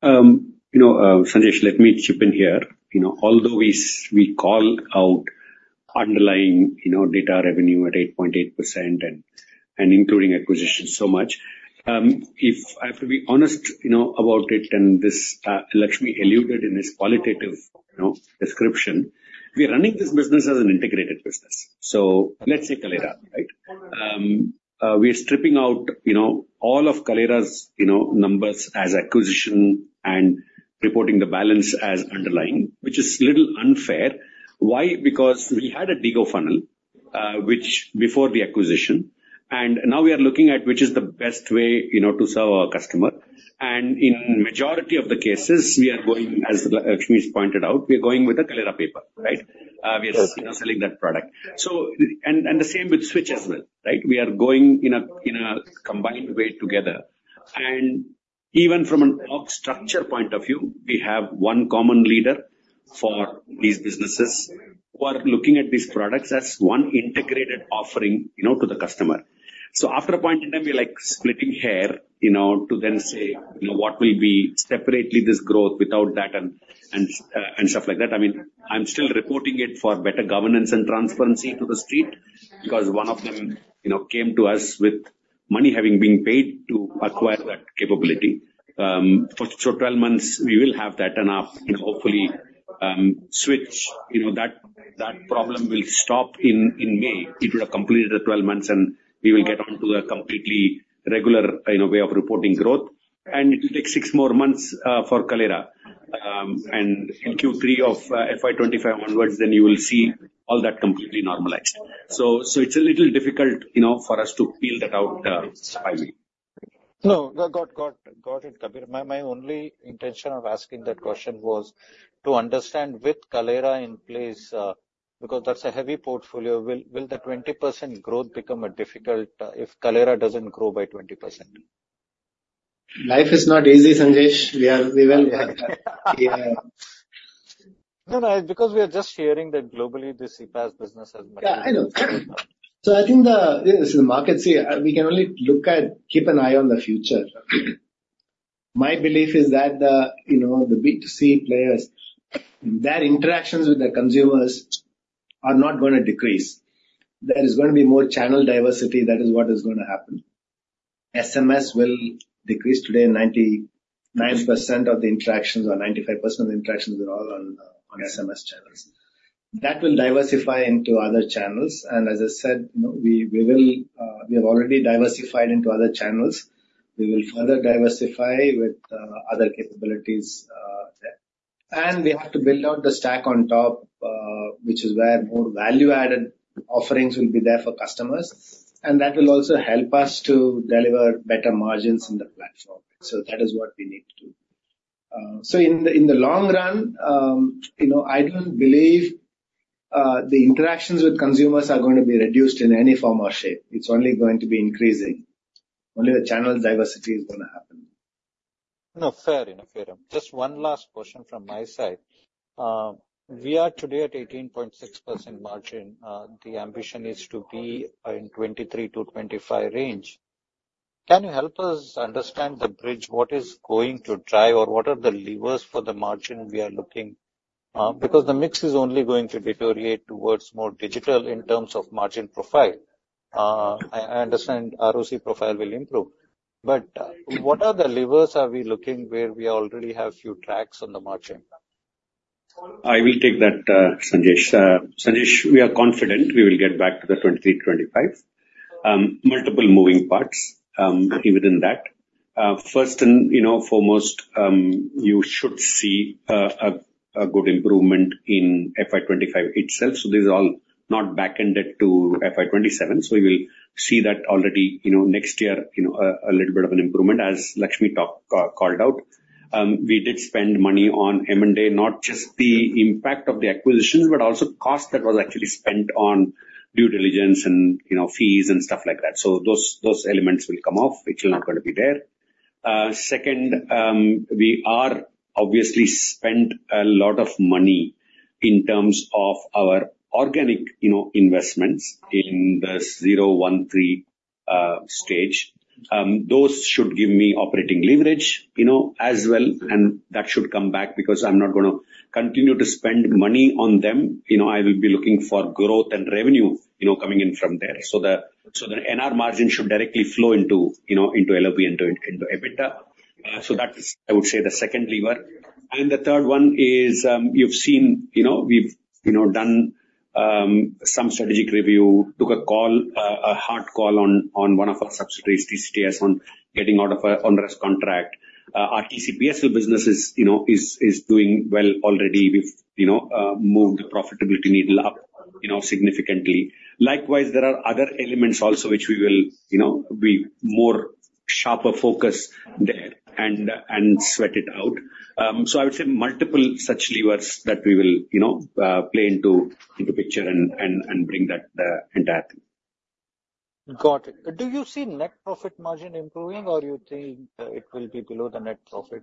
You know, Sandesh, let me chip in here. You know, although we call out underlying, you know, data revenue at 8.8% and including acquisition so much, if I have to be honest, you know, about it, and this, Lakshmi alluded in his qualitative, you know, description, we are running this business as an integrated business. So let's say Kaleyra, right? We are stripping out, you know, all of Kaleyra's, you know, numbers as acquisition and reporting the balance as underlying, which is a little unfair. Why? Because we had a DIGO funnel, which before the acquisition, and now we are looking at which is the best way, you know, to serve our customer. And in majority of the cases, we are going, as Lakshmi has pointed out, we are going with a Kaleyra paper, right? Okay. We are, you know, selling that product. So, the same with Switch as well, right? We are going in a combined way together. And even from an org structure point of view, we have one common leader for these businesses who are looking at these products as one integrated offering, you know, to the customer. So after a point in time, we like splitting hairs, you know, to then say, you know, what will be separately this growth without that and stuff like that. I mean, I'm still reporting it for better governance and transparency to the street, because one of them, you know, came to us with money having been paid to acquire that capability. For so 12 months, we will have that, and, you know, hopefully, Switch, you know, that, that problem will stop in, in May. It will have completed the 12 months, and we will get on to a completely regular, you know, way of reporting growth. It will take six more months for Kaleyra. And in Q3 of FY 2025 onwards, then you will see all that completely normalized. So, so it's a little difficult, you know, for us to peel that out, by me. No. We got it, Kabir. My only intention of asking that question was to understand with Kaleyra in place, because that's a heavy portfolio. Will the 20% growth become difficult if Kaleyra doesn't grow by 20%? Life is not easy, Sandesh. We are, we will... Yeah. No, no, because we are just hearing that globally, the CPaaS business has much- Yeah, I know. So I think, you know, the market, we can only keep an eye on the future. My belief is that, you know, the B2C players, their interactions with the consumers are not gonna decrease. There is gonna be more channel diversity. That is what is gonna happen. SMS will decrease. Today, 99% of the interactions or 95% of the interactions are all on SMS channels. That will diversify into other channels, and as I said, you know, we have already diversified into other channels. We will further diversify with other capabilities there. And we have to build out the stack on top, which is where more value-added offerings will be there for customers, and that will also help us to deliver better margins in the platform. So that is what we need to do. So in the long run, you know, I don't believe the interactions with consumers are going to be reduced in any form or shape. It's only going to be increasing. Only the channel diversity is gonna happen. No, fair enough. Fair enough. Just one last question from my side. We are today at 18.6% margin. The ambition is to be in 23%-25% range. Can you help us understand the bridge, what is going to drive or what are the levers for the margin we are looking? Because the mix is only going to deteriorate towards more digital in terms of margin profile. I understand ROCE profile will improve, but, what are the levers are we looking where we already have few tracks on the margin? I will take that, Sanjesh. Sanjesh, we are confident we will get back to the 23%-25%. Multiple moving parts within that. First and, you know, foremost, you should see a good improvement in FY 2025 itself. So this is all not back-ended to FY 2027. So we will see that already, you know, next year, you know, a little bit of an improvement, as Lakshmi talked, called out. We did spend money on M&A, not just the impact of the acquisitions, but also cost that was actually spent on due diligence and, you know, fees and stuff like that. So those elements will come off, which are not going to be there. Second, we are obviously spent a lot of money in terms of our organic, you know, investments in the zero, one, three stage. Those should give me operating leverage, you know, as well, and that should come back because I'm not going to continue to spend money on them. You know, I will be looking for growth and revenue, you know, coming in from there. So the, so the NR margin should directly flow into, you know, into LOB, into, into EBITDA. So that is, I would say, the second lever. And the third one is, you've seen, you know, we've, you know, done, some strategic review, took a call, a hard call on, on one of our subsidiaries, TCTS, on getting out of an onerous contract. Our TCPSL business is, you know, is, is doing well already. We've, you know, moved the profitability needle up, you know, significantly. Likewise, there are other elements also which we will, you know, be more sharper focus there and sweat it out. So I would say multiple such levers that we will, you know, play into picture and bring that entire thing. Got it. Do you see net profit margin improving, or you think it will be below the net profit,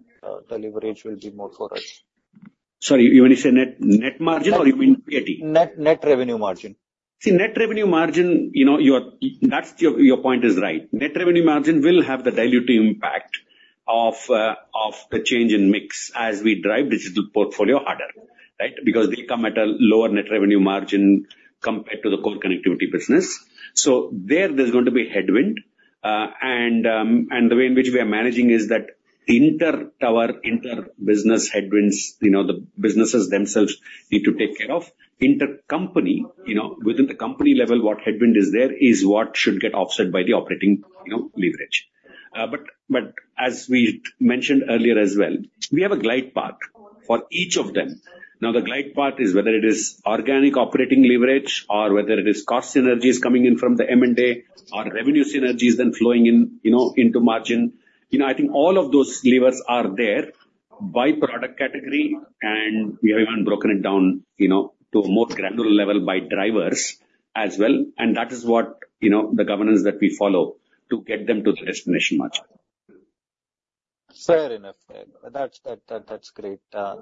the leverage will be more for us? Sorry, you want to say net, net margin, or you mean PAT? Net, net revenue margin. See, net revenue margin, you know, that's your point is right. Net revenue margin will have the dilutive impact of the change in mix as we drive digital portfolio harder, right? Because they come at a lower net revenue margin compared to the core connectivity business. So there, there's going to be headwind. And the way in which we are managing is that inter-tower, inter-business headwinds, you know, the businesses themselves need to take care of. Intercompany, you know, within the company level, what headwind is there is what should get offset by the operating, you know, leverage. But as we mentioned earlier as well, we have a glide path for each of them. Now, the glide path is whether it is organic operating leverage or whether it is cost synergies coming in from the M&A or revenue synergies then flowing in, you know, into margin. You know, I think all of those levers are there by product category, and we have even broken it down, you know, to a more granular level by drivers as well. That is what, you know, the governance that we follow to get them to the destination much. Fair enough. That's great.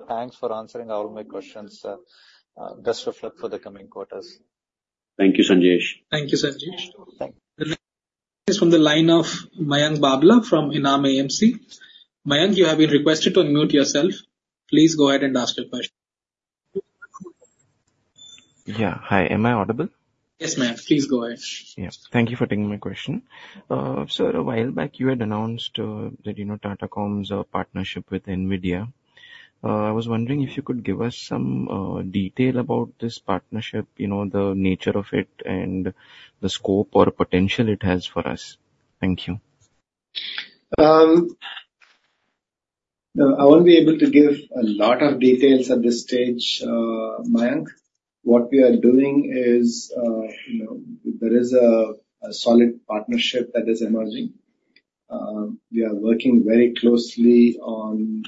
Thanks for answering all my questions, sir. Best of luck for the coming quarters. Thank you, Sanjesh. Thank you, Sanjesh. Thank you. The next is from the line of Mayank Babla from Enam AMC. Mayank, you have been requested to unmute yourself. Please go ahead and ask your question. Yeah, hi. Am I audible? Yes, Mayank. Please go ahead. Yes. Thank you for taking my question. Sir, a while back, you had announced that, you know, Tata Comm's partnership with NVIDIA. I was wondering if you could give us some detail about this partnership, you know, the nature of it and the scope or potential it has for us. Thank you. I won't be able to give a lot of details at this stage, Mayank. What we are doing is, you know, there is a solid partnership that is emerging. We are working very closely on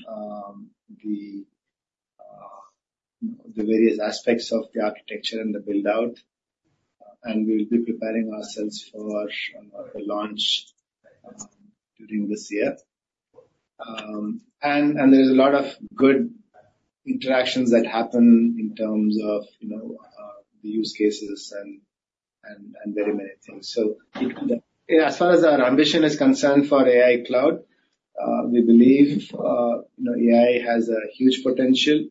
the various aspects of the architecture and the build-out, and we'll be preparing ourselves for the launch during this year. And there's a lot of good interactions that happen in terms of, you know, the use cases and very many things. So, as far as our ambition is concerned for AI Cloud, we believe, you know, AI has a huge potential.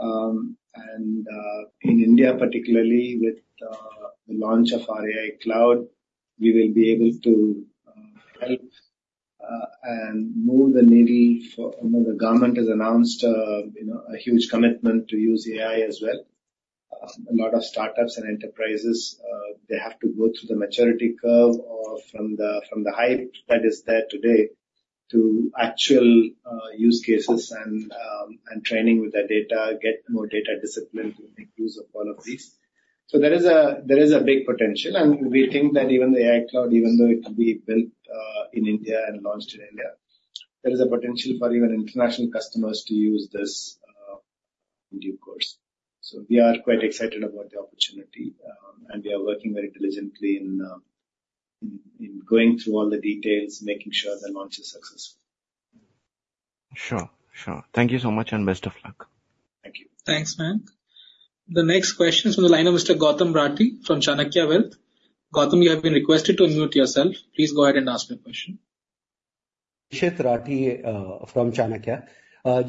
And in India, particularly with the launch of our AI Cloud, we will be able to help and move the needle for... You know, the government has announced, you know, a huge commitment to use AI as well. A lot of startups and enterprises, they have to go through the maturity curve or from the hype that is there today to actual use cases and training with their data, get more data discipline to make use of all of these. So there is a big potential, and we think that even the AI Cloud, even though it will be built in India and launched in India, there is a potential for even international customers to use this in due course. So we are quite excited about the opportunity, and we are working very diligently in going through all the details, making sure the launch is successful. Sure. Sure. Thank you so much, and best of luck. Thank you. Thanks, Mayank. The next question is from the line of Mr. Gautam Rathi from Chanakya Wealth. Gautam, you have been requested to unmute yourself. Please go ahead and ask your question. Nishit Rathi from Chanakya.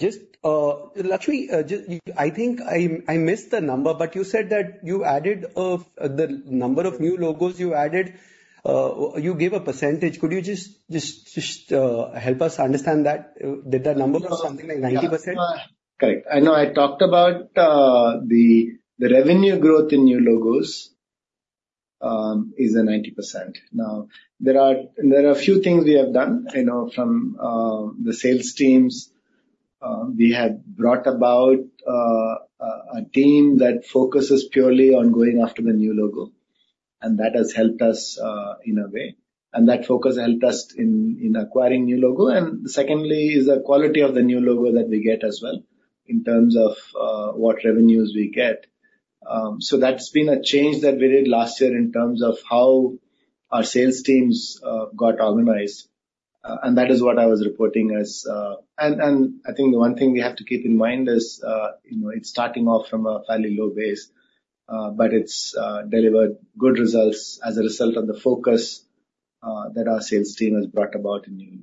Just, Lakshmi, just, I think I missed the number, but you said that you added the number of new logos you added, you gave a percentage. Could you just help us understand that? Did that number was something like 90%? Correct. I know I talked about the revenue growth in new logos is a 90%. Now, there are a few things we have done, you know, from the sales teams. We had brought about a team that focuses purely on going after the new logo, and that has helped us in a way. And that focus helped us in acquiring new logo. And secondly, is the quality of the new logo that we get as well, in terms of what revenues we get. So that's been a change that we did last year in terms of how our sales teams got organized, and that is what I was reporting as... I think the one thing we have to keep in mind is, you know, it's starting off from a fairly low base, but it's delivered good results as a result of the focus that our sales team has brought about in new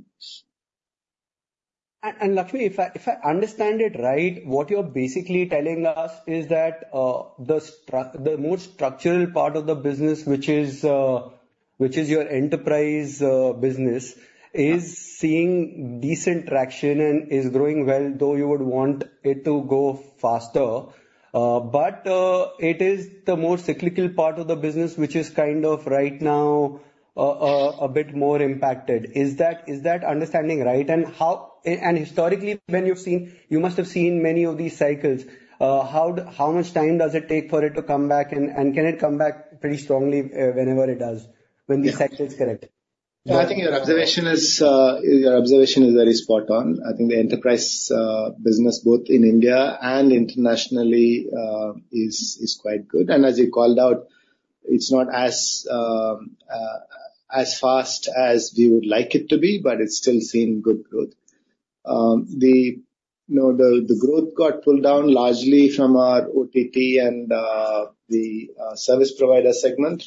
logos. Lakshmi, if I understand it right, what you're basically telling us is that the more structural part of the business, which is your enterprise business, is seeing decent traction and is growing well, though you would want it to go faster. But it is the more cyclical part of the business, which is kind of right now a bit more impacted. Is that understanding right? And historically, when you've seen, you must have seen many of these cycles. How much time does it take for it to come back, and can it come back pretty strongly whenever it does, when the cycle is correct? I think your observation is very spot on. I think the enterprise business, both in India and internationally, is quite good. And as you called out, it's not as fast as we would like it to be, but it's still seeing good growth. You know, the growth got pulled down largely from our OTT and the service provider segment.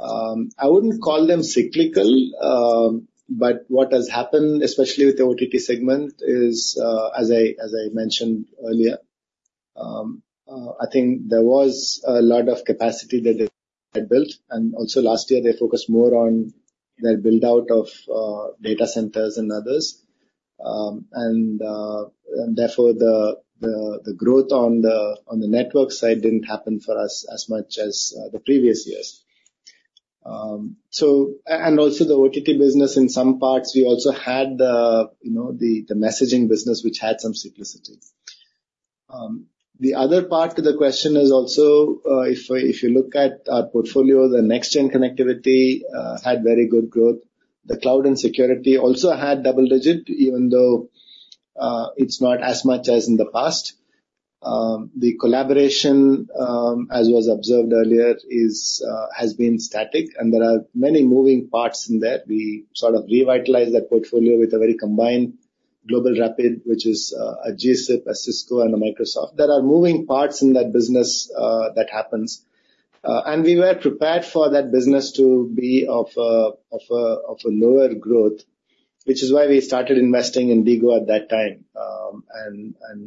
I wouldn't call them cyclical, but what has happened, especially with the OTT segment, is, as I mentioned earlier, I think there was a lot of capacity that they had built, and also last year, they focused more on their build-out of data centers and others. And therefore, the growth on the network side didn't happen for us as much as the previous years. And also the OTT business, in some parts, we also had the, you know, the messaging business, which had some cyclicity. The other part to the question is also, if you look at our portfolio, the next-gen connectivity had very good growth. The cloud and security also had double-digit, even though it's not as much as in the past. The collaboration, as was observed earlier, is has been static, and there are many moving parts in that. We sort of revitalized that portfolio with a very combined GlobalRapide, which is a GSIP, a Cisco, and a Microsoft. There are moving parts in that business that happens. And we were prepared for that business to be of a lower growth, which is why we started investing in DIGO at that time.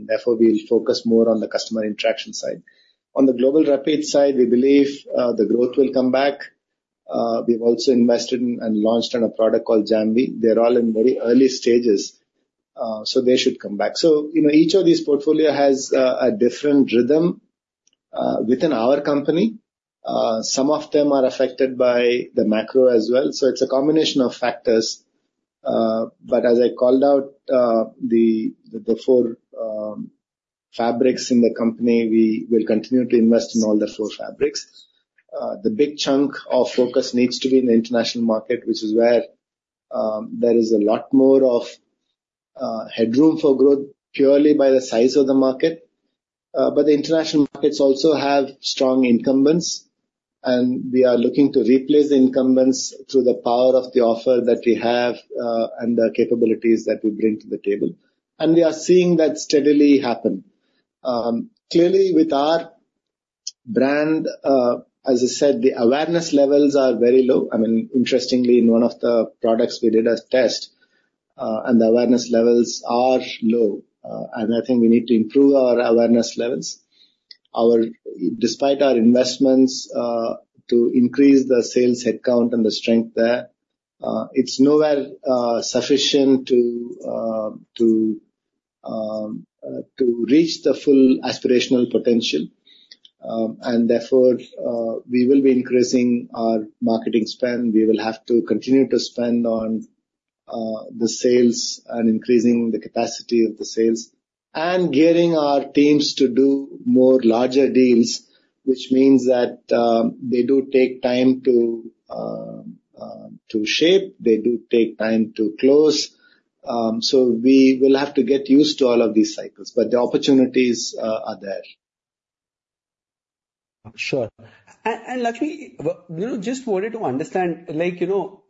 Therefore, we'll focus more on the customer interaction side. On the GlobalRapide side, we believe the growth will come back. We've also invested in and launched a product called JAMVEE. They're all in very early stages, so they should come back. So, you know, each of these portfolio has a different rhythm within our company. Some of them are affected by the macro as well, so it's a combination of factors. But as I called out, the four fabrics in the company, we will continue to invest in all the four fabrics. The big chunk of focus needs to be in the international market, which is where, there is a lot more of, headroom for growth, purely by the size of the market. But the international markets also have strong incumbents, and we are looking to replace the incumbents through the power of the offer that we have, and the capabilities that we bring to the table. And we are seeing that steadily happen. Clearly, with our brand, as I said, the awareness levels are very low. I mean, interestingly, in one of the products we did a test, and the awareness levels are low, and I think we need to improve our awareness levels. Despite our investments to increase the sales headcount and the strength there, it's nowhere sufficient to reach the full aspirational potential. And therefore, we will be increasing our marketing spend. We will have to continue to spend on the sales and increasing the capacity of the sales, and getting our teams to do more larger deals, which means that they do take time to shape, they do take time to close. So we will have to get used to all of these cycles, but the opportunities are there. Sure. Lakshmi, you know, just wanted to understand, like, you know,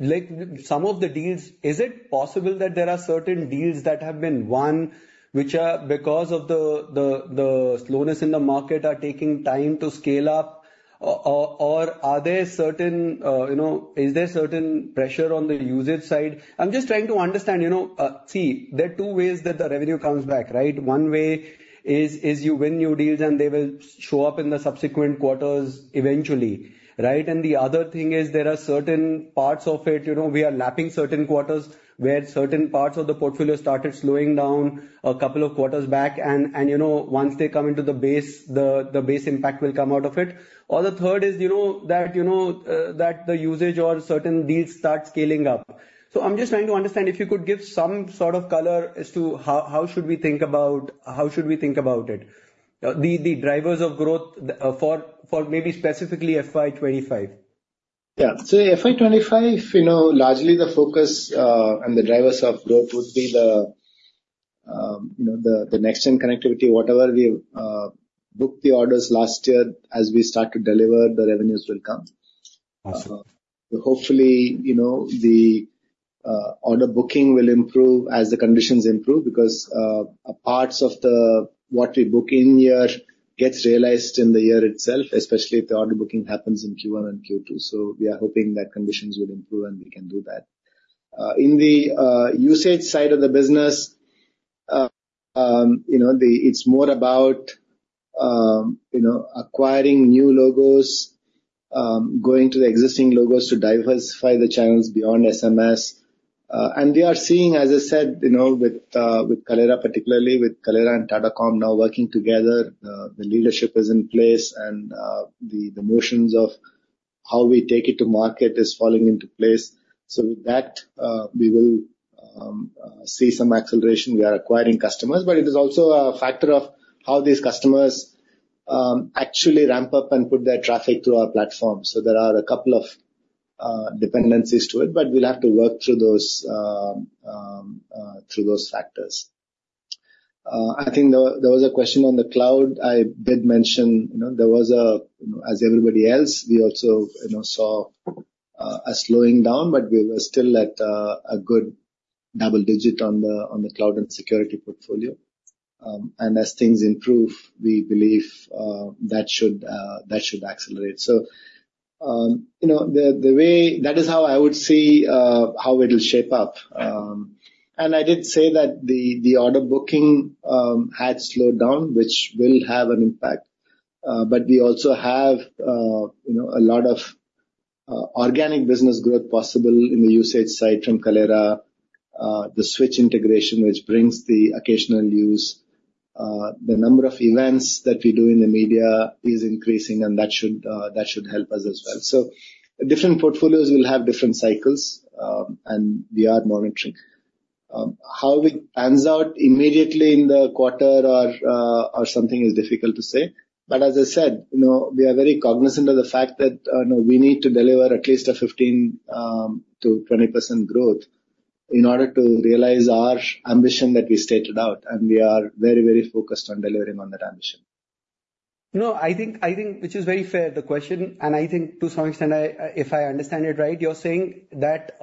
like some of the deals, is it possible that there are certain deals that have been won, which are, because of the slowness in the market, are taking time to scale up? Or are there certain, you know, is there certain pressure on the usage side? I'm just trying to understand, you know, see, there are two ways that the revenue comes back, right? One way is you win new deals, and they will show up in the subsequent quarters eventually, right? The other thing is there are certain parts of it, you know, we are lapping certain quarters, where certain parts of the portfolio started slowing down a couple of quarters back, and you know, once they come into the base, the base impact will come out of it. Or the third is, you know, that the usage or certain deals start scaling up. So I'm just trying to understand if you could give some sort of color as to how should we think about it, the drivers of growth for maybe specifically FY 25? Yeah. So FY 25, you know, largely the focus and the drivers of growth would be the, you know, the next gen connectivity, whatever we booked the orders last year, as we start to deliver, the revenues will come. Awesome. So hopefully, you know, the order booking will improve as the conditions improve, because parts of what we book in here gets realized in the year itself, especially if the order booking happens in Q1 and Q2. So we are hoping that conditions will improve, and we can do that. In the usage side of the business, you know, it's more about, you know, acquiring new logos, going to the existing logos to diversify the channels beyond SMS. And we are seeing, as I said, you know, with with Kaleyra, particularly with Kaleyra and Tata Comm now working together, the leadership is in place, and the motions of how we take it to market is falling into place. So with that, we will see some acceleration. We are acquiring customers, but it is also a factor of how these customers, actually ramp up and put their traffic through our platform. So there are a couple of dependencies to it, but we'll have to work through those, through those factors. I think there was a question on the cloud. I did mention, you know, there was a, as everybody else, we also, you know, saw a slowing down, but we were still at a good double digit on the, on the cloud and security portfolio. And as things improve, we believe that should accelerate. So, you know, the, the way... That is how I would see how it will shape up. And I did say that the, the order booking had slowed down, which will have an impact. But we also have, you know, a lot of organic business growth possible in the usage side from Kaleyra, the Switch integration, which brings the occasional use. The number of events that we do in the media is increasing, and that should, that should help us as well. So different portfolios will have different cycles, and we are monitoring. How it pans out immediately in the quarter or, or something is difficult to say. But as I said, you know, we are very cognizant of the fact that we need to deliver at least a 15%-20% growth in order to realize our ambition that we stated out, and we are very, very focused on delivering on that ambition. No, I think, I think, which is very fair, the question, and I think to some extent, I, if I understand it right, you're saying that,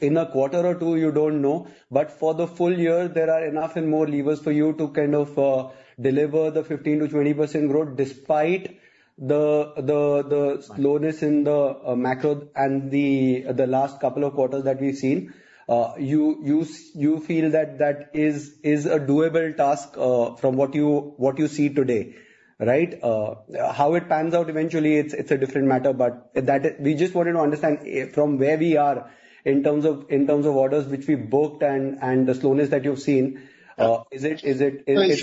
in a quarter or two, you don't know, but for the full year, there are enough and more levers for you to kind of, deliver the 15%-20% growth despite the, the, the slowness in the, macro and the, the last couple of quarters that we've seen. You feel that that is a doable task, from what you see today, right? How it pans out eventually, it's a different matter, but that—we just wanted to understand, from where we are in terms of, in terms of orders which we booked and, and the slowness that you've seen, is it, is it- If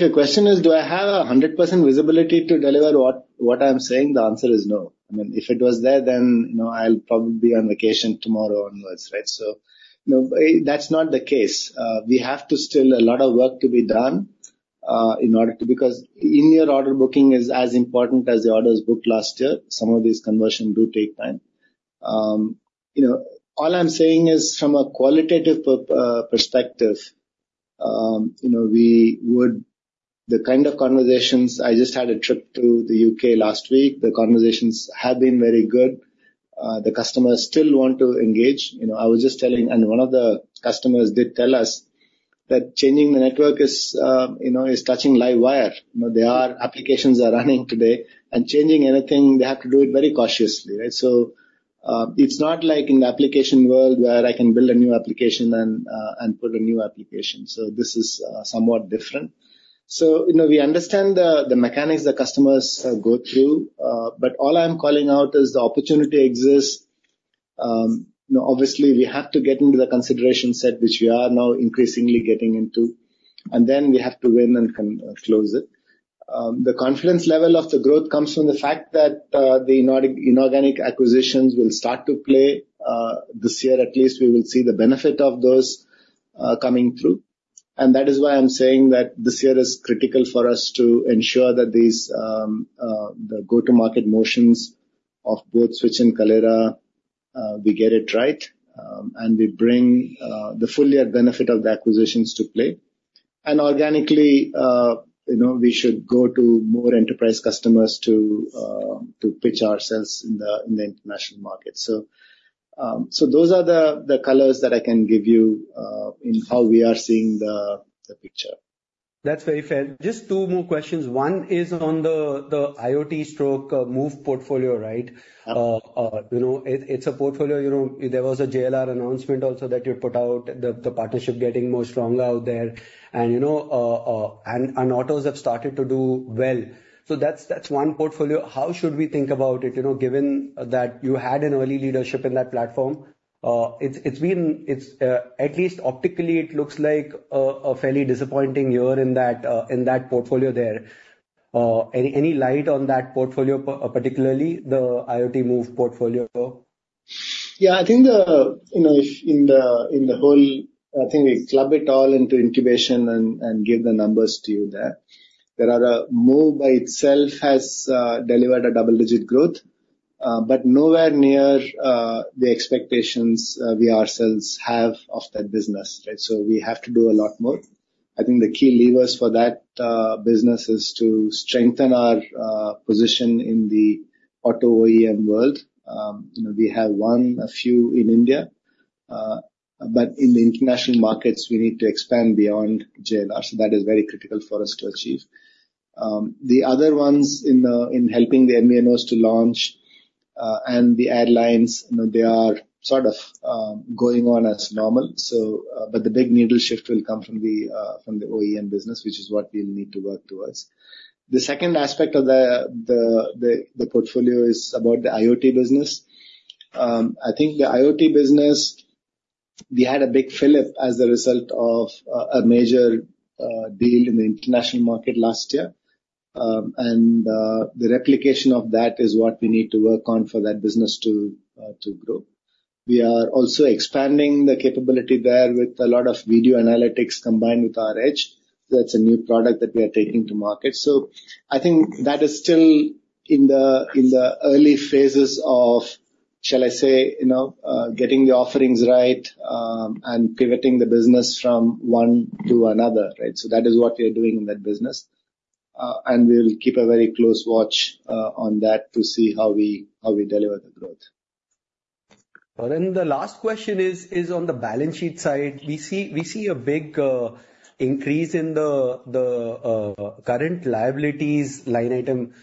your question is, do I have 100% visibility to deliver what I'm saying? The answer is no. I mean, if it was there, then, you know, I'll probably be on vacation tomorrow onwards, right? So, you know, that's not the case. We have to still a lot of work to be done, in order to—because in your order, booking is as important as the orders booked last year. Some of these conversion do take time. You know, all I'm saying is from a qualitative perspective, you know, we would—the kind of conversations... I just had a trip to the U.K. last week. The conversations have been very good. The customers still want to engage. You know, I was just telling, and one of the customers did tell us that changing the network is, you know, is touching live wire. You know, there are applications are running today, and changing anything, they have to do it very cautiously, right? So, it's not like in the application world where I can build a new application and, and put a new application. So this is, somewhat different. So, you know, we understand the, the mechanics the customers, go through, but all I'm calling out is the opportunity exists. You know, obviously, we have to get into the consideration set, which we are now increasingly getting into, and then we have to win and close it. The confidence level of the growth comes from the fact that, the inorganic acquisitions will start to play, this year. At least we will see the benefit of those coming through. And that is why I'm saying that this year is critical for us to ensure that these, the go-to-market motions of both Switch and Kaleyra, we get it right, and we bring the full year benefit of the acquisitions to play. And organically, you know, we should go to more enterprise customers to pitch ourselves in the international market. So, those are the colors that I can give you in how we are seeing the picture. That's very fair. Just two more questions. One is on the IoT stroke Move portfolio, right? Yeah. You know, it's a portfolio, you know, there was a JLR announcement also that you put out, the partnership getting more stronger out there, and, you know, and autos have started to do well. So that's one portfolio. How should we think about it, you know, given that you had an early leadership in that platform? It's been. It's at least optically, it looks like a fairly disappointing year in that in that portfolio there. Any light on that portfolio, particularly the IoT Move portfolio?... Yeah, I think the, you know, if in the, in the whole, I think we club it all into incubation and, and give the numbers to you there. There are, Move by itself has, delivered a double-digit growth, but nowhere near, the expectations, we ourselves have of that business, right? So we have to do a lot more. I think the key levers for that, business is to strengthen our, position in the auto OEM world. You know, we have won a few in India, but in the international markets, we need to expand beyond JLR. So that is very critical for us to achieve. The other ones in helping the MVNOs to launch and the airlines, you know, they are sort of going on as normal, so but the big needle shift will come from the OEM business, which is what we will need to work towards. The second aspect of the portfolio is about the IoT business. I think the IoT business, we had a big fillip as a result of a major deal in the international market last year. And the replication of that is what we need to work on for that business to grow. We are also expanding the capability there with a lot of video analytics combined with our edge. So that's a new product that we are taking to market. I think that is still in the early phases of, shall I say, you know, getting the offerings right, and pivoting the business from one to another, right? So that is what we are doing in that business. We'll keep a very close watch on that to see how we deliver the growth. And then the last question is on the balance sheet side. We see a big increase in the current liabilities line item.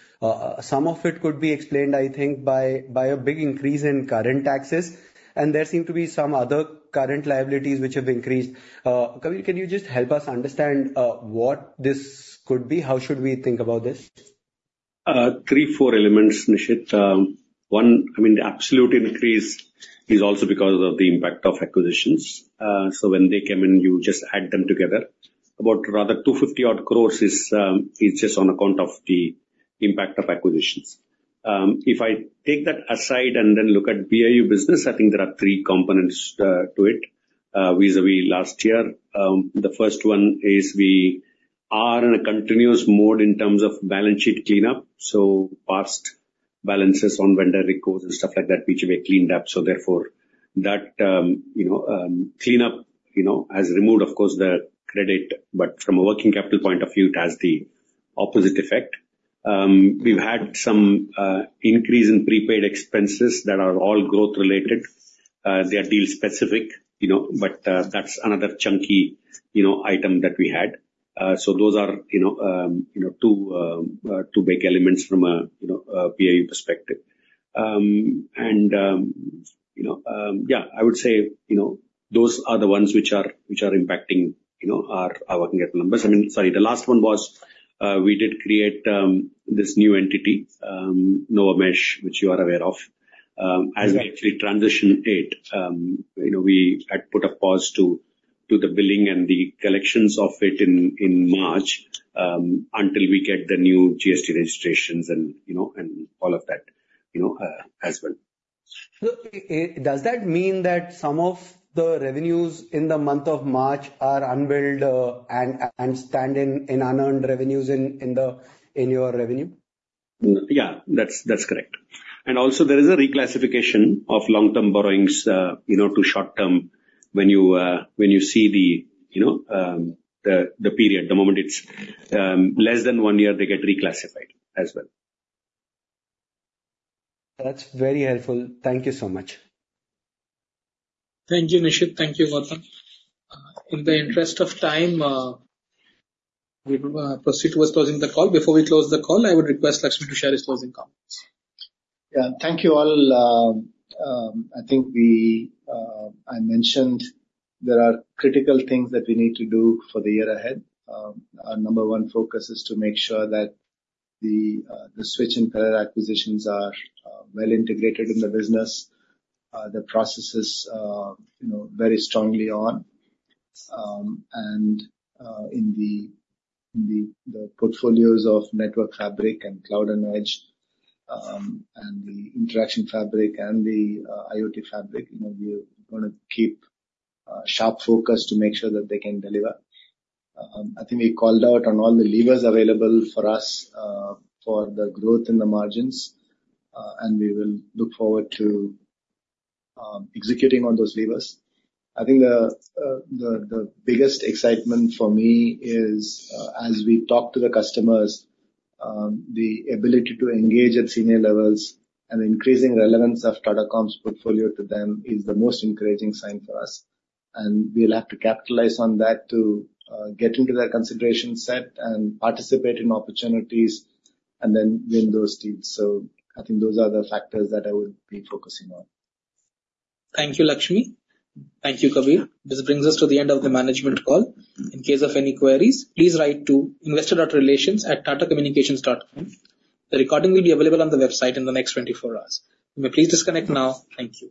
Some of it could be explained, I think, by a big increase in current taxes, and there seem to be some other current liabilities which have increased. Kabir, can you just help us understand what this could be? How should we think about this? Three to four elements, Nishit. One, I mean, the absolute increase is also because of the impact of acquisitions. So when they come in, you just add them together. About, rather, 250-odd crores is just on account of the impact of acquisitions. If I take that aside and then look at BAU business, I think there are three components to it vis-à-vis last year. The first one is we are in a continuous mode in terms of balance sheet cleanup, so past balances on vendor records and stuff like that, which we cleaned up. So therefore, that cleanup, you know, has removed, of course, the credit, but from a working capital point of view, it has the opposite effect. We've had some increase in prepaid expenses that are all growth related. They are deal specific, you know, but that's another chunky, you know, item that we had. So those are, you know, two big elements from a, you know, a BAU perspective. And, you know, yeah, I would say, you know, those are the ones which are impacting, you know, our working capital numbers. I mean, sorry, the last one was, we did create this new entity, Novamesh, which you are aware of. As we actually transition it, you know, we had put a pause to the billing and the collections of it in March, until we get the new GST registrations and, you know, and all of that, you know, as well. So, does that mean that some of the revenues in the month of March are unbilled, and standing in unearned revenues in your revenue? Yeah, that's, that's correct. And also, there is a reclassification of long-term borrowings, you know, to short-term when you see the, you know, the period. The moment it's less than one year, they get reclassified as well. That's very helpful. Thank you so much. Thank you, Nishit. Thank you, Gautam. In the interest of time, we will proceed towards closing the call. Before we close the call, I would request Lakshminarayanan to share his closing comments. Yeah. Thank you, all. I think we... I mentioned there are critical things that we need to do for the year ahead. Our number one focus is to make sure that the Switch and Kaleyra acquisitions are well integrated in the business. The process is, you know, very strongly on. In the portfolios of network fabric and cloud and edge, and the interaction fabric and the IoT fabric, you know, we're gonna keep sharp focus to make sure that they can deliver. I think we called out on all the levers available for us for the growth in the margins, and we will look forward to executing on those levers. I think the biggest excitement for me is as we talk to the customers, the ability to engage at senior levels and increasing relevance of Tata Comm's portfolio to them is the most encouraging sign for us, and we'll have to capitalize on that to get into their consideration set and participate in opportunities, and then win those deals. So I think those are the factors that I would be focusing on. Thank you, Lakshmi. Thank you, Kabir. This brings us to the end of the management call. In case of any queries, please write to investor.relations@tatacommunications.com. The recording will be available on the website in the next 24 hours. You may please disconnect now. Thank you.